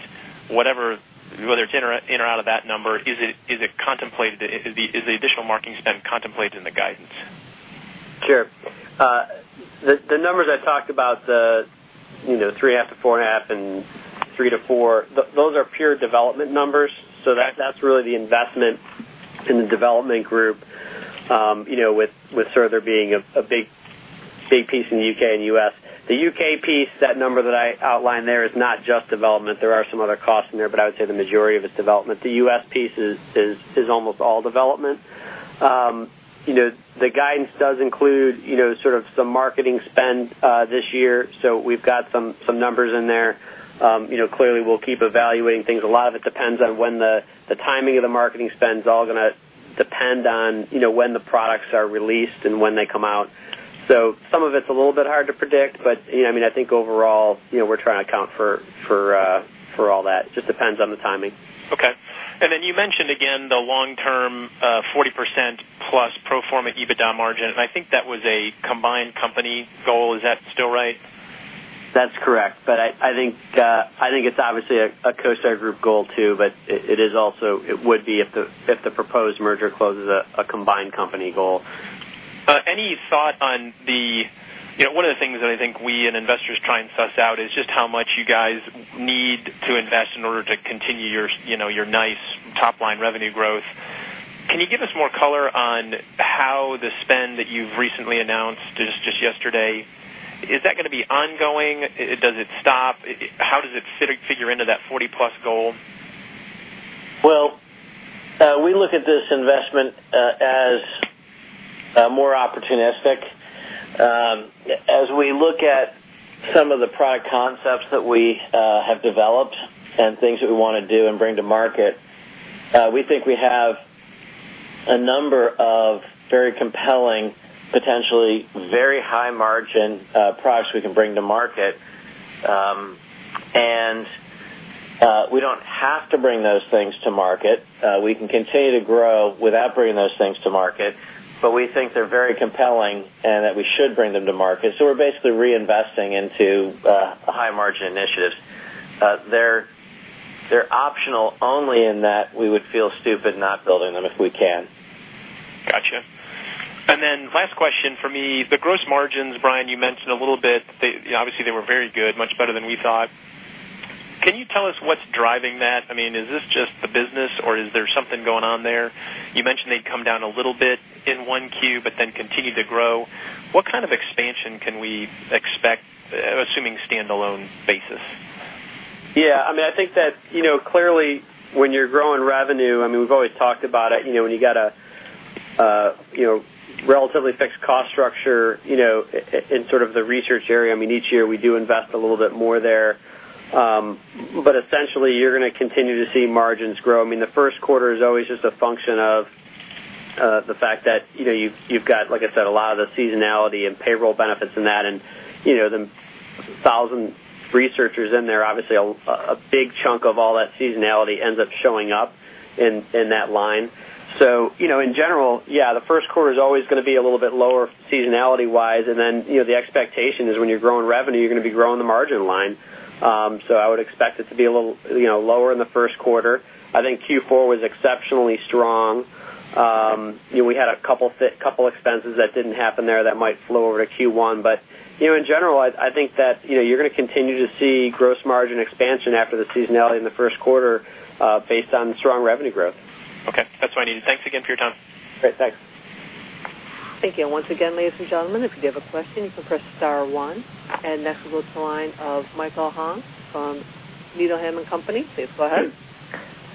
whether it's in or out of that number, is it contemplated? Is the additional marketing spend contemplated in the guidance? Sure. The numbers I talked about, the three and a half to four and a half and three to four, those are pure development numbers. That's really the investment in the development group, with there being a big state piece in the U.K. and U.S. The U.K. piece, that number that I outlined there is not just development. There are some other costs in there, but I would say the majority of it's development. The U.S. piece is almost all development. The guidance does include some marketing spend this year. We've got some numbers in there. Clearly, we'll keep evaluating things. A lot of it depends on when the timing of the marketing spend is all going to depend on when the products are released and when they come out. Some of it's a little bit hard to predict, but I think overall, we're trying to account for all that. It just depends on the timing. Okay. You mentioned again the long-term 40%+ pro forma EBITDA margin, and I think that was a combined company goal. Is that still right? That's correct. I think it's obviously a CoStar Group goal too, but it is also, if the proposed merger closes, a combined company goal. Any thought on the, you know, one of the things that I think we and investors try and suss out is just how much you guys need to invest in order to continue your, you know, your nice top-line revenue growth. Can you give us more color on how the spend that you've recently announced just yesterday, is that going to be ongoing? Does it stop? How does it figure into that 40+ goal? We look at this investment as more opportunistic. As we look at some of the product concepts that we have developed and things that we want to do and bring to market, we think we have a number of very compelling, potentially very high-margin products we can bring to market. We don't have to bring those things to market. We can continue to grow without bringing those things to market, but we think they're very compelling and that we should bring them to market. We're basically reinvesting into high-margin initiatives. They're optional only in that we would feel stupid not building them if we can. Gotcha. Last question for me, the gross margins, Brian, you mentioned a little bit, obviously, they were very good, much better than we thought. Can you tell us what's driving that? Is this just the business or is there something going on there? You mentioned they'd come down a little bit in Q1 but then continue to grow. What kind of expansion can we expect, assuming standalone basis? Yeah, I mean, I think that, you know, clearly, when you're growing revenue, I mean, we've always talked about it, you know, when you got a relatively fixed cost structure, you know, in sort of the research area. I mean, each year we do invest a little bit more there. Essentially, you're going to continue to see margins grow. The first quarter is always just a function of the fact that, you know, you've got, like I said, a lot of the seasonality and payroll benefits in that. The 1,000 researchers in there, obviously, a big chunk of all that seasonality ends up showing up in that line. In general, yeah, the first quarter is always going to be a little bit lower seasonality-wise. The expectation is when you're growing revenue, you're going to be growing the margin line. I would expect it to be a little, you know, lower in the first quarter. I think Q4 was exceptionally strong. We had a couple of expenses that didn't happen there that might flow over to Q1. In general, I think that, you know, you're going to continue to see gross margin expansion after the seasonality in the first quarter based on strong revenue growth. Okay. That's fine, [Andy]. Thanks again for your time. All right, thanks. Thank you. Once again, ladies and gentlemen, if you do have a question, you can press star one. Next, we'll go to the line of Michael Kim from Needham and Company. Please go ahead.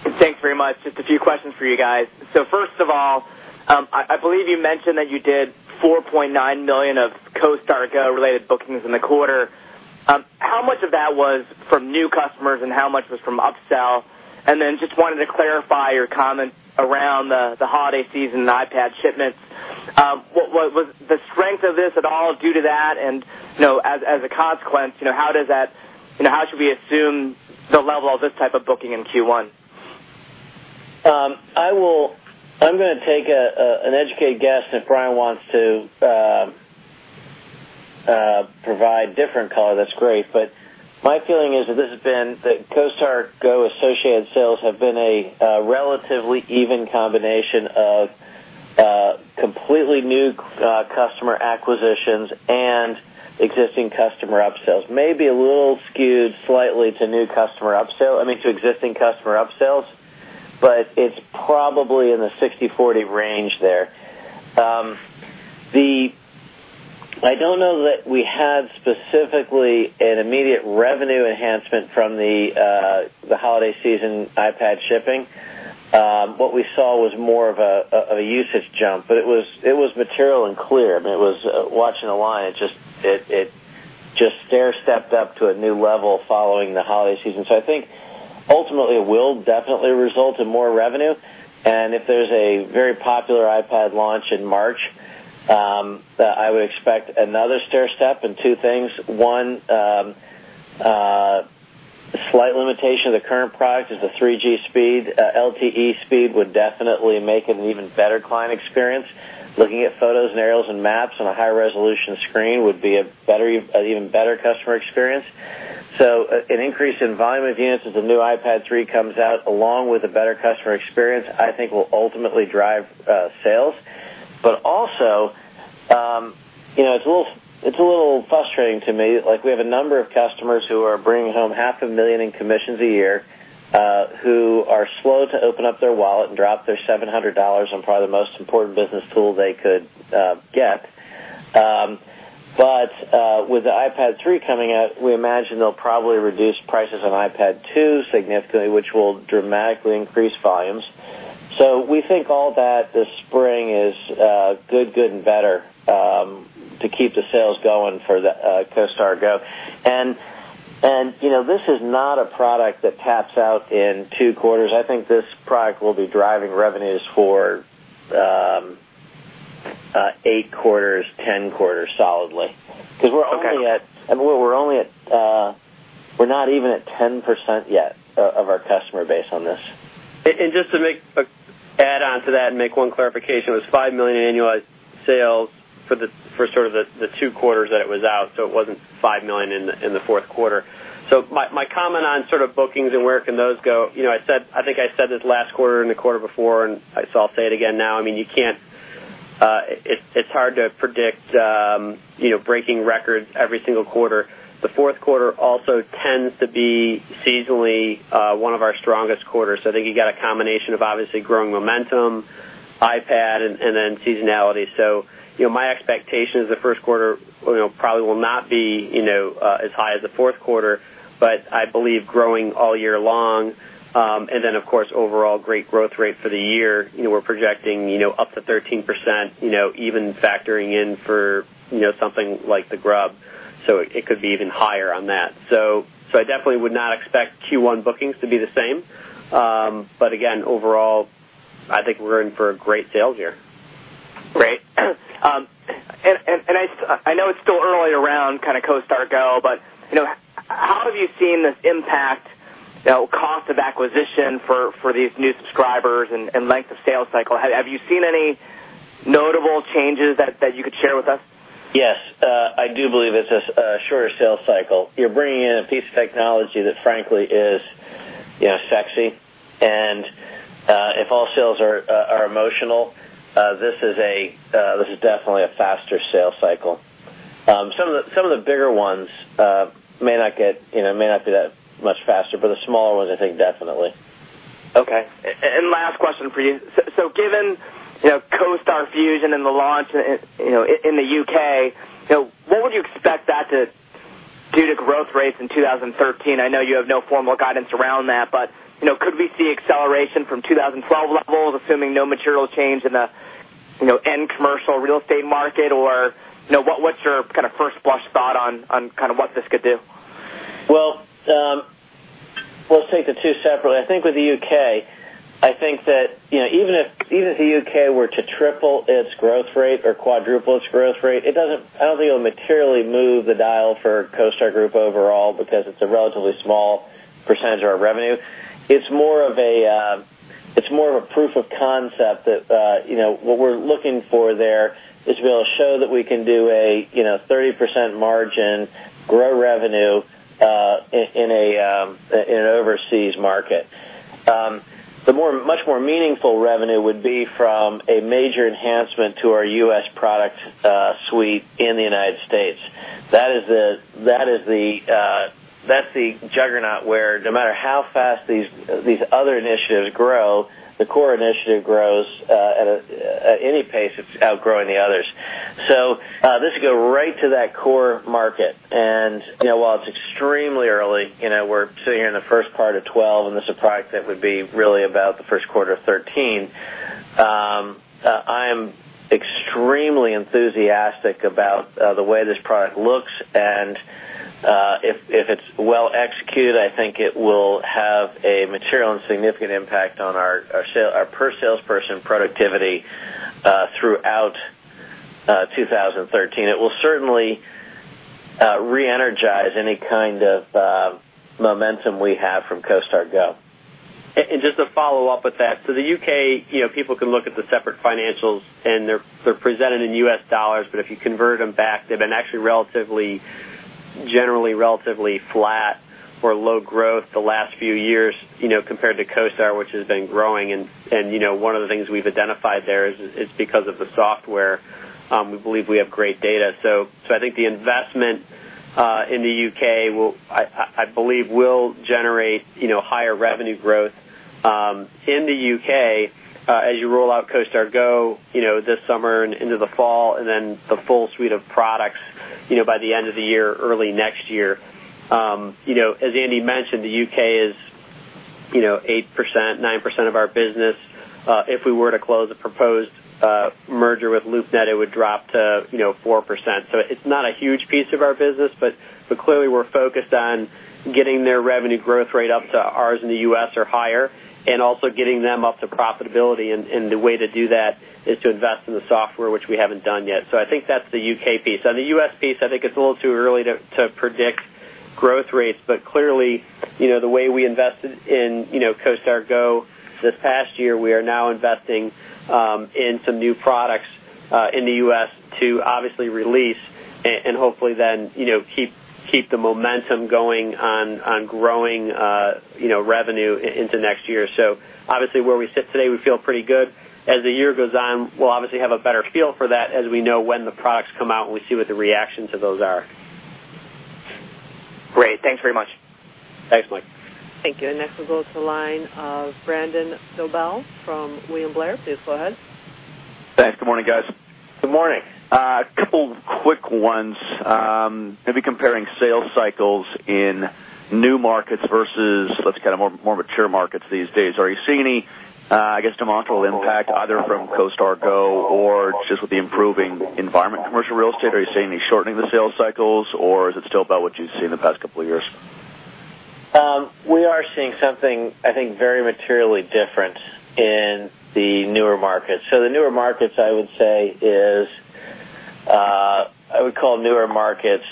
Good. Thanks very much. Just a few questions for you guys. First of all, I believe you mentioned that you did $4.9 million of CoStar Go related bookings in the quarter. How much of that was from new customers and how much was from upsell? I just wanted to clarify your comment around the holiday season and iPad shipments. Was the strength of this at all due to that? As a consequence, how should we assume the level of this type of booking in Q1? I'm going to take an educated guess if Brian wants to provide different color. That's great. My feeling is that this has been that CoStar Go associated sales have been a relatively even combination of completely new customer acquisitions and existing customer upsells. Maybe a little skewed slightly to existing customer upsells, but it's probably in the 60-40 range there. I don't know that we had specifically an immediate revenue enhancement from the holiday season iPad shipping. What we saw was more of a usage jump, but it was material and clear. It was watching a line. It just stair-stepped up to a new level following the holiday season. I think ultimately it will definitely result in more revenue. If there's a very popular iPad launch in March, I would expect another stair-step in two things. One, slight limitation of the current product is the 3G speed. LTE speed would definitely make it an even better client experience. Looking at photos and aerials and maps on a high-resolution screen would be an even better customer experience. An increase in volume of units as the new iPad 3 comes out, along with a better customer experience, I think will ultimately drive sales. It's a little frustrating to me. We have a number of customers who are bringing home $500,000 in commissions a year, who are slow to open up their wallet and drop their $700 on probably the most important business tool they could get. With the iPad 3 coming out, we imagine they'll probably reduce prices on iPad 2 significantly, which will dramatically increase volumes. We think all that this spring is good, good, and better to keep the sales going for the CoStar Go. This is not a product that taps out in two quarters. I think this product will be driving revenues for 8 quarters, 10 quarters solidly. We're only at, I mean, we're not even at 10% yet of our customer base on this. Just to add on to that and make one clarification, it was $5 million annual sales for sort of the two quarters that it was out. It was not $5 million in the fourth quarter. My comment on bookings and where can those go, I think I said this last quarter and the quarter before, and I'll say it again now. You can't, it's hard to predict, breaking records every single quarter. The fourth quarter also tends to be seasonally one of our strongest quarters. I think you got a combination of obviously growing momentum, iPad, and then seasonality. My expectation is the first quarter probably will not be as high as the fourth quarter, but I believe growing all year long. Of course, overall great growth rate for the year. We're projecting up to 13%, even factoring in for something like the Grubb. It could be even higher on that. I definitely would not expect Q1 bookings to be the same. Again, overall, I think we're in for a great sales year. Great. I know it's still early around kind of CoStar Go, but how have you seen this impact cost of acquisition for these new subscribers and length of sales cycle? Have you seen any notable changes that you could share with us? Yes, I do believe it's a shorter sales cycle. You're bringing in a piece of technology that, frankly, is, you know, sexy. If all sales are emotional, this is definitely a faster sales cycle. Some of the bigger ones may not be that much faster, but the smaller ones, I think, definitely. Okay. Last question for you. Given CoStar Fusion and the launch in the U.K., what would you expect that to do to growth rates in 2013? I know you have no formal guidance around that, but could we see acceleration from 2012 levels, assuming no material change in the end commercial real estate market? What's your kind of first blush thought on what this could do? We'll take the two separately. I think with the U.K., even if the U.K. were to triple its growth rate or quadruple its growth rate, I don't think it would materially move the dial for CoStar Group overall because it's a relatively small percentage of our revenue. It's more of a proof of concept that what we're looking for there is to be able to show that we can do a 30% margin, grow revenue in an overseas market. The much more meaningful revenue would be from a major enhancement to our U.S. product suite in the United States. That is the juggernaut where no matter how fast these other initiatives grow, the core initiative grows at any pace. It's outgrowing the others. This would go right to that core market. While it's extremely early, we're sitting here in the first part of 2012, and this is a product that would be really about the first quarter of 2013. I am extremely enthusiastic about the way this product looks, and if it's well executed, I think it will have a material and significant impact on our per salesperson productivity throughout 2013. It will certainly re-energize any kind of momentum we have from CoStar Go. Just to follow up with that, the U.K., you know, people can look at the separate financials, and they're presented in U.S. dollars, but if you convert them back, they've been actually generally relatively flat or low growth the last few years, you know, compared to CoStar Group, which has been growing. One of the things we've identified there is it's because of the software. We believe we have great data. I think the investment in the U.K., I believe, will generate higher revenue growth in the U.K. as you roll out CoStar Go this summer and into the fall, and then the full suite of products by the end of the year or early next year. As Andy mentioned, the U.K. is 8%, 9% of our business. If we were to close a proposed merger with LoopNet, it would drop to 4%. It's not a huge piece of our business, but clearly, we're focused on getting their revenue growth rate up to ours in the U.S. or higher and also getting them up to profitability. The way to do that is to invest in the software, which we haven't done yet. I think that's the U.K. piece. On the U.S. piece, I think it's a little too early to predict growth rates, but clearly, the way we invested in CoStar Go this past year, we are now investing in some new products in the U.S. to obviously release and hopefully then keep the momentum going on growing revenue into next year. Where we sit today, we feel pretty good. As the year goes on, we'll obviously have a better feel for that as we know when the products come out and we see what the reaction to those are. Great, thanks very much. Thanks, Mike. Thank you. Next, we'll go to the line of Brandon Dobell from William Blair. Please go ahead. Thanks. Good morning, guys. Good morning. A couple of quick ones. Maybe comparing sales cycles in new markets versus kind of more mature markets these days. Are you seeing any, I guess, demonstrable impact either from CoStar Go or just with the improving environment in commercial real estate? Are you seeing any shortening of the sales cycles, or is it still about what you've seen in the past couple of years? We are seeing something, I think, very materially different in the newer markets. The newer markets, I would say, I would call newer markets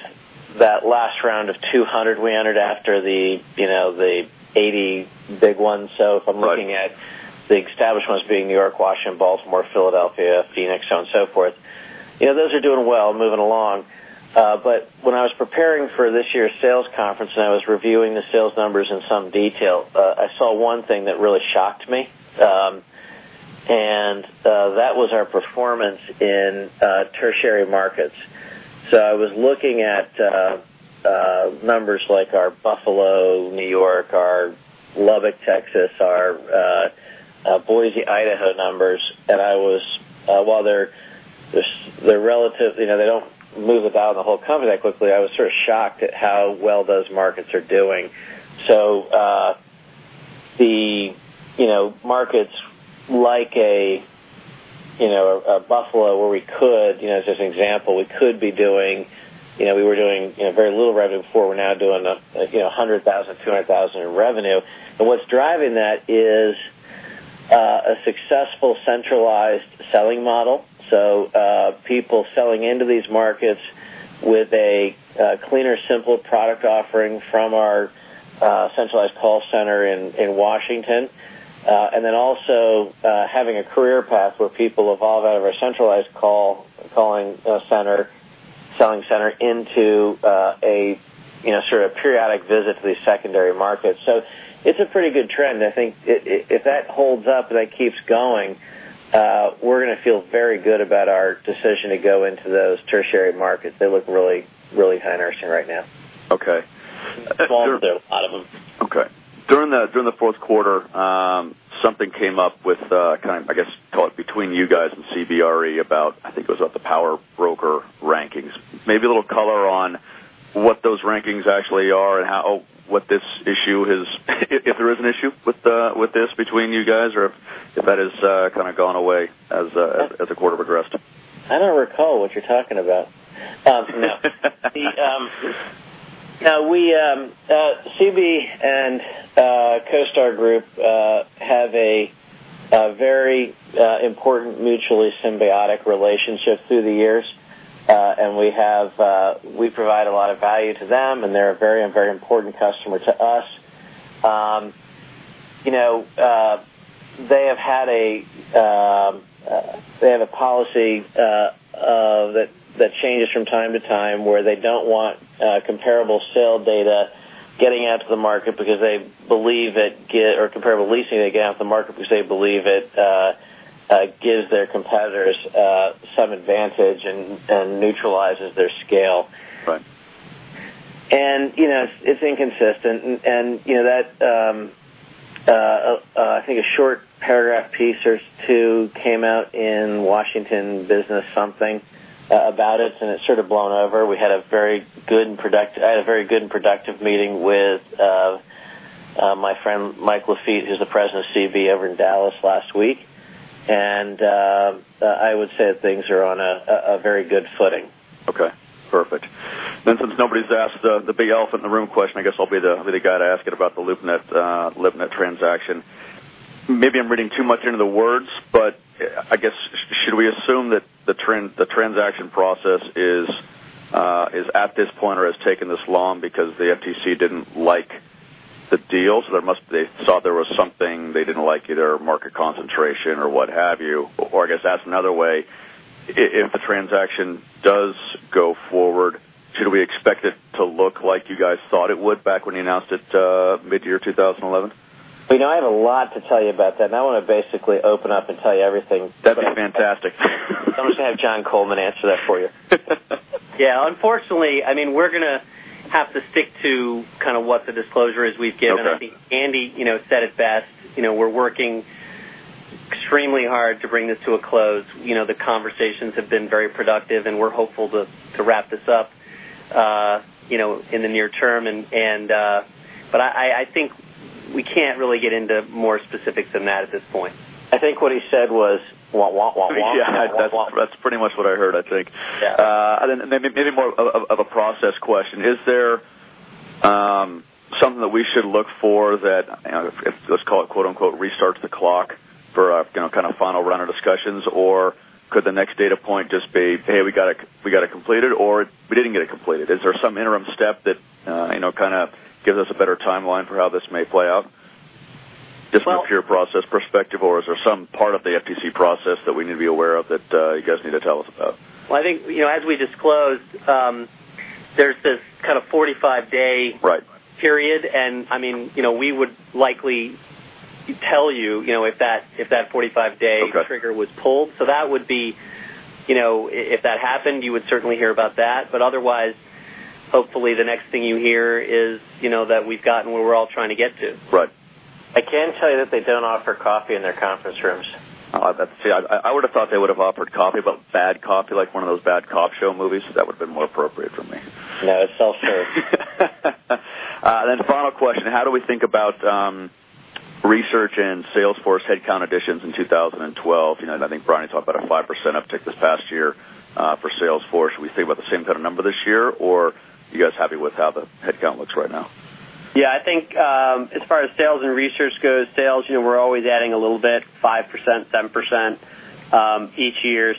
that last round of 200 we entered after the, you know, the 80 big ones. If I'm looking at the established ones being New York, Washington, Baltimore, Philadelphia, Phoenix, so on and so forth, you know, those are doing well, moving along. When I was preparing for this year's sales conference and I was reviewing the sales numbers in some detail, I saw one thing that really shocked me, and that was our performance in tertiary markets. I was looking at numbers like our Buffalo, New York, our Lubbock, Texas, our Boise, Idaho numbers, and I was, they're relative, you know, they don't move about in the whole company that quickly. I was sort of shocked at how well those markets are doing. The markets like a, you know, a Buffalo where we could, you know, as an example, we could be doing, you know, we were doing, you know, very little revenue before. We're now doing, you know, $100,000, $200,000 in revenue. What's driving that is a successful centralized selling model. People selling into these markets with a cleaner, simpler product offering from our centralized call center in Washington. Also having a career path where people evolve out of our centralized call calling center, selling center into a, you know, sort of a periodic visit to these secondary markets. It's a pretty good trend. I think if that holds up and that keeps going, we're going to feel very good about our decision to go into those tertiary markets. They look really, really high interesting right now. Okay. There's a lot of them. Okay. During the fourth quarter, something came up with, I guess, call it between you guys and CBRE about, I think it was about the power broker rankings. Maybe a little color on what those rankings actually are and how what this issue has, if there is an issue with this between you guys or if that has kind of gone away as the quarter progressed. I don't recall what you're talking about. No, CB and CoStar Group have a very important, mutually symbiotic relationship through the years, and we provide a lot of value to them, and they're a very, very important customer to us. They have had a policy that changes from time to time where they don't want comparable sale data getting out to the market because they believe it, or comparable leasing data getting out to the market because they believe it gives their competitors some advantage and neutralizes their scale. Right. It's inconsistent. I think a short paragraph piece or two came out in Washington Business something about it, and it's sort of blown over. I had a very good and productive meeting with my friend Mike Lafitte, who's the President of CB over in Dallas last week. I would say that things are on a very good footing. Okay. Perfect. Since nobody's asked the big elephant in the room question, I guess I'll be the guy to ask it about the LoopNet transaction. Maybe I'm reading too much into the words, but should we assume that the transaction process is at this point or has taken this long because the FTC didn't like the deal? They saw there was something they didn't like, either market concentration or what have you. If the transaction does go forward, should we expect it to look like you guys thought it would back when you announced it mid-year 2011? I have a lot to tell you about that. I want to basically open up and tell you everything. That'd be fantastic. I'm going to have Jon Coleman answer that for you. Yeah. Unfortunately, I mean, we're going to have to stick to kind of what the disclosure is we've given. I think Andy said it best. We're working extremely hard to bring this to a close. The conversations have been very productive, and we're hopeful to wrap this up in the near term. I think we can't really get into more specifics than that at this point. I think what he said was, want what? Yeah, that's pretty much what I heard, I think. Yeah. Maybe more of a process question. Is there something that we should look for that, let's call it quote-unquote, "restarts the clock" for, you know, kind of final runner discussions? Could the next data point just be, "Hey, we got it completed," or, "We didn't get it completed"? Is there some interim step that gives us a better timeline for how this may play out just from a pure process perspective, or is there some part of the FTC review process that we need to be aware of that you guys need to tell us about? I think, you know, as we disclosed, there's this kind of 45-day period. I mean, you know, we would likely tell you if that 45-day trigger was pulled. That would be, you know, if that happened, you would certainly hear about that. Otherwise, hopefully, the next thing you hear is that we've gotten where we're all trying to get to. Right. I can tell you that they don't offer coffee in their conference rooms. I would have thought they would have offered coffee, but bad coffee, like one of those bad cop show movies, that would have been more appropriate for me. No, it's self-serve. How do we think about research and Salesforce headcount additions in 2012? You know, and I think Brian talked about a 5% uptick this past year for Salesforce. Should we think about the same kind of number this year, or are you guys happy with how the headcount looks right now? Yeah, I think as far as sales and research goes, sales, you know, we're always adding a little bit, 5%, 7% each year.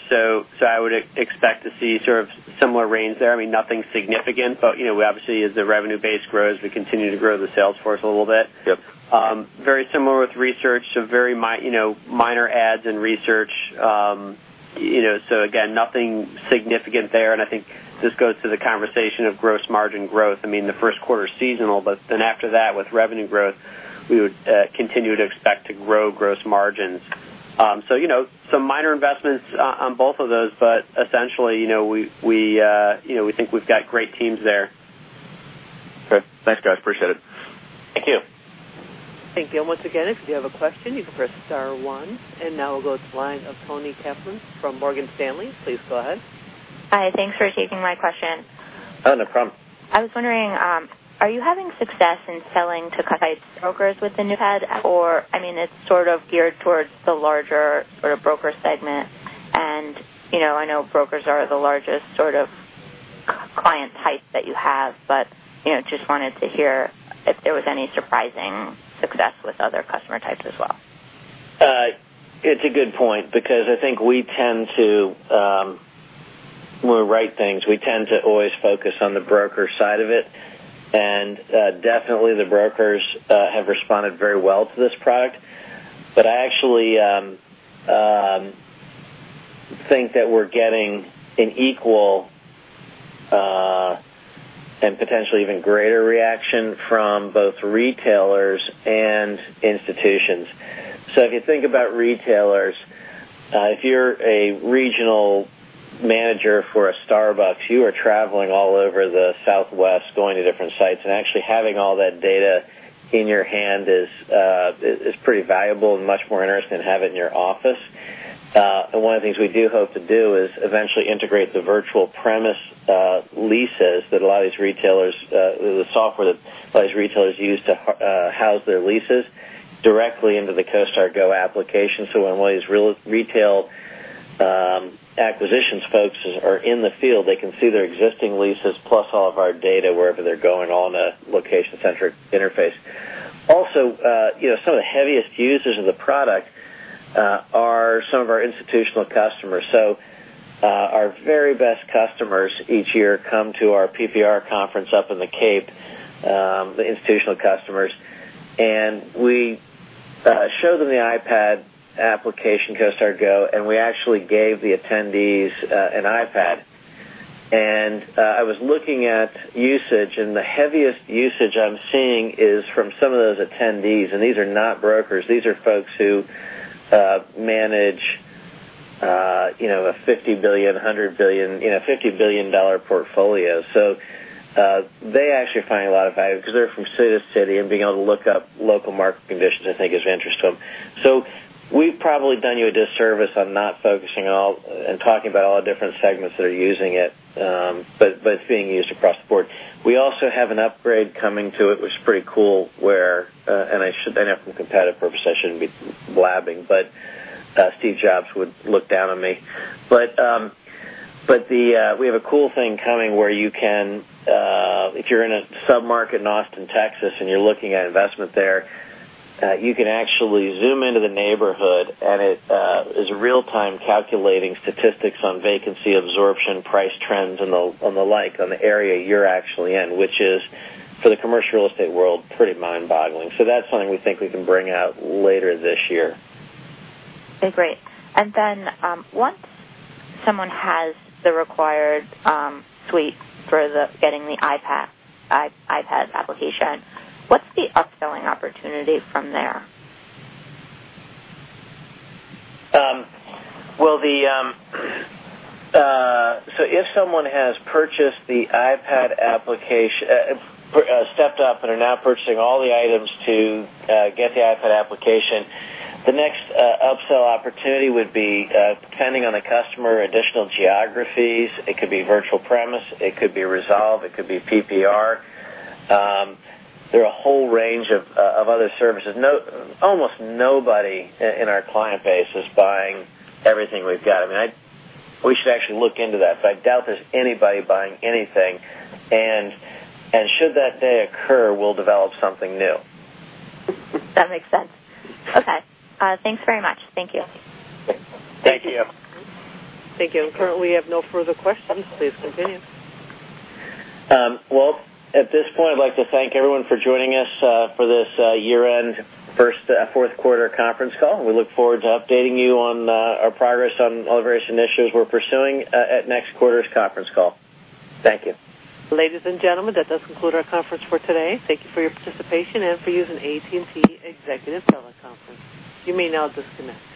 I would expect to see sort of similar range there. I mean, nothing significant, but you know, obviously, as the revenue base grows, we continue to grow the Salesforce a little bit. Yep, very similar with research too, very minor, you know, minor adds in research. You know, nothing significant there. I think this goes to the conversation of gross margin growth. The first quarter is seasonal, but then after that, with revenue growth, we would continue to expect to grow gross margins. Some minor investments on both of those, but eventually, you know, we think we've got great teams there. Okay, thanks, guys. Appreciate it. Thank you. Thank you. Once again, if you do have a question, you can press star one. Now we'll go to the line of Toni Kaplan from Morgan Stanley. Please go ahead. Hi, thanks for taking my question. Oh, no problem. I was wondering, are you having success in selling to cut-height brokers within NewHead? I mean, it's sort of geared towards the larger sort of broker segment. You know, I know brokers are the largest sort of client type that you have, but you know, just wanted to hear if there was any surprising success with other customer types as well. It's a good point because I think we tend to, when we write things, we tend to always focus on the broker side of it. The brokers have responded very well to this product. I actually think that we're getting an equal and potentially even greater reaction from both retailers and institutions. If you think about retailers, if you're a regional manager for a Starbucks, you are traveling all over the Southwest going to different sites. Actually having all that data in your hand is pretty valuable and much more interesting to have it in your office. One of the things we do hope to do is eventually integrate the Virtual Premise lease management, the software that a lot of these retailers use to house their leases, directly into the CoStar Go application. When one of these real retail acquisitions folks is in the field, they can see their existing leases plus all of our data wherever they're going on a location-centric interface. Also, some of the heaviest users of the product are some of our institutional customers. Our very best customers each year come to our PPR conference up in the Cape, the institutional customers. We show them the iPad application, CoStar Go, and we actually gave the attendees an iPad. I was looking at usage, and the heaviest usage I'm seeing is from some of those attendees. These are not brokers. These are folks who manage, you know, a $50 billion, $100 billion, you know, $50 billion portfolio. They actually find a lot of value 'cause they're from Cedar City, and being able to look up local market conditions, I think, is of interest to them. We've probably done you a disservice not focusing on all and talking about all the different segments that are using it, but it's being used across the board. We also have an upgrade coming to it, which is pretty cool. I know from competitive purposes I shouldn't be blabbing, but Steve Jobs would look down on me. We have a cool thing coming where you can, if you're in a submarket in Austin, Texas, and you're looking at investment there, you can actually zoom into the neighborhood, and it is real-time calculating statistics on vacancy, absorption, price trends, and the like on the area you're actually in, which is, for the commercial real estate world, pretty mind-boggling. That's something we think we can bring out later this year. Okay. Great. Once someone has the required suite for getting the iPad application, what's the upselling opportunity from there? If someone has purchased the iPad application and stepped up and are now purchasing all the items to get the iPad application, the next upsell opportunity would be, depending on the customer, additional geographies. It could be Virtual Premise. It could be Resolve. It could be PPR. There are a whole range of other services. Almost nobody in our client base is buying everything we've got. I mean, we should actually look into that. I doubt there's anybody buying everything. Should that day occur, we'll develop something new. That makes sense. Okay, thanks very much. Thank you. Thank you. Thank you. I currently have no further questions. Please continue. At this point, I'd like to thank everyone for joining us for this year-end, fourth quarter conference call. We look forward to updating you on our progress on all the various initiatives we're pursuing at next quarter's conference call. Thank you. Ladies and gentlemen, that does conclude our conference for today. Thank you for your participation and for using AT&T Executive Teleconference. You may now disconnect.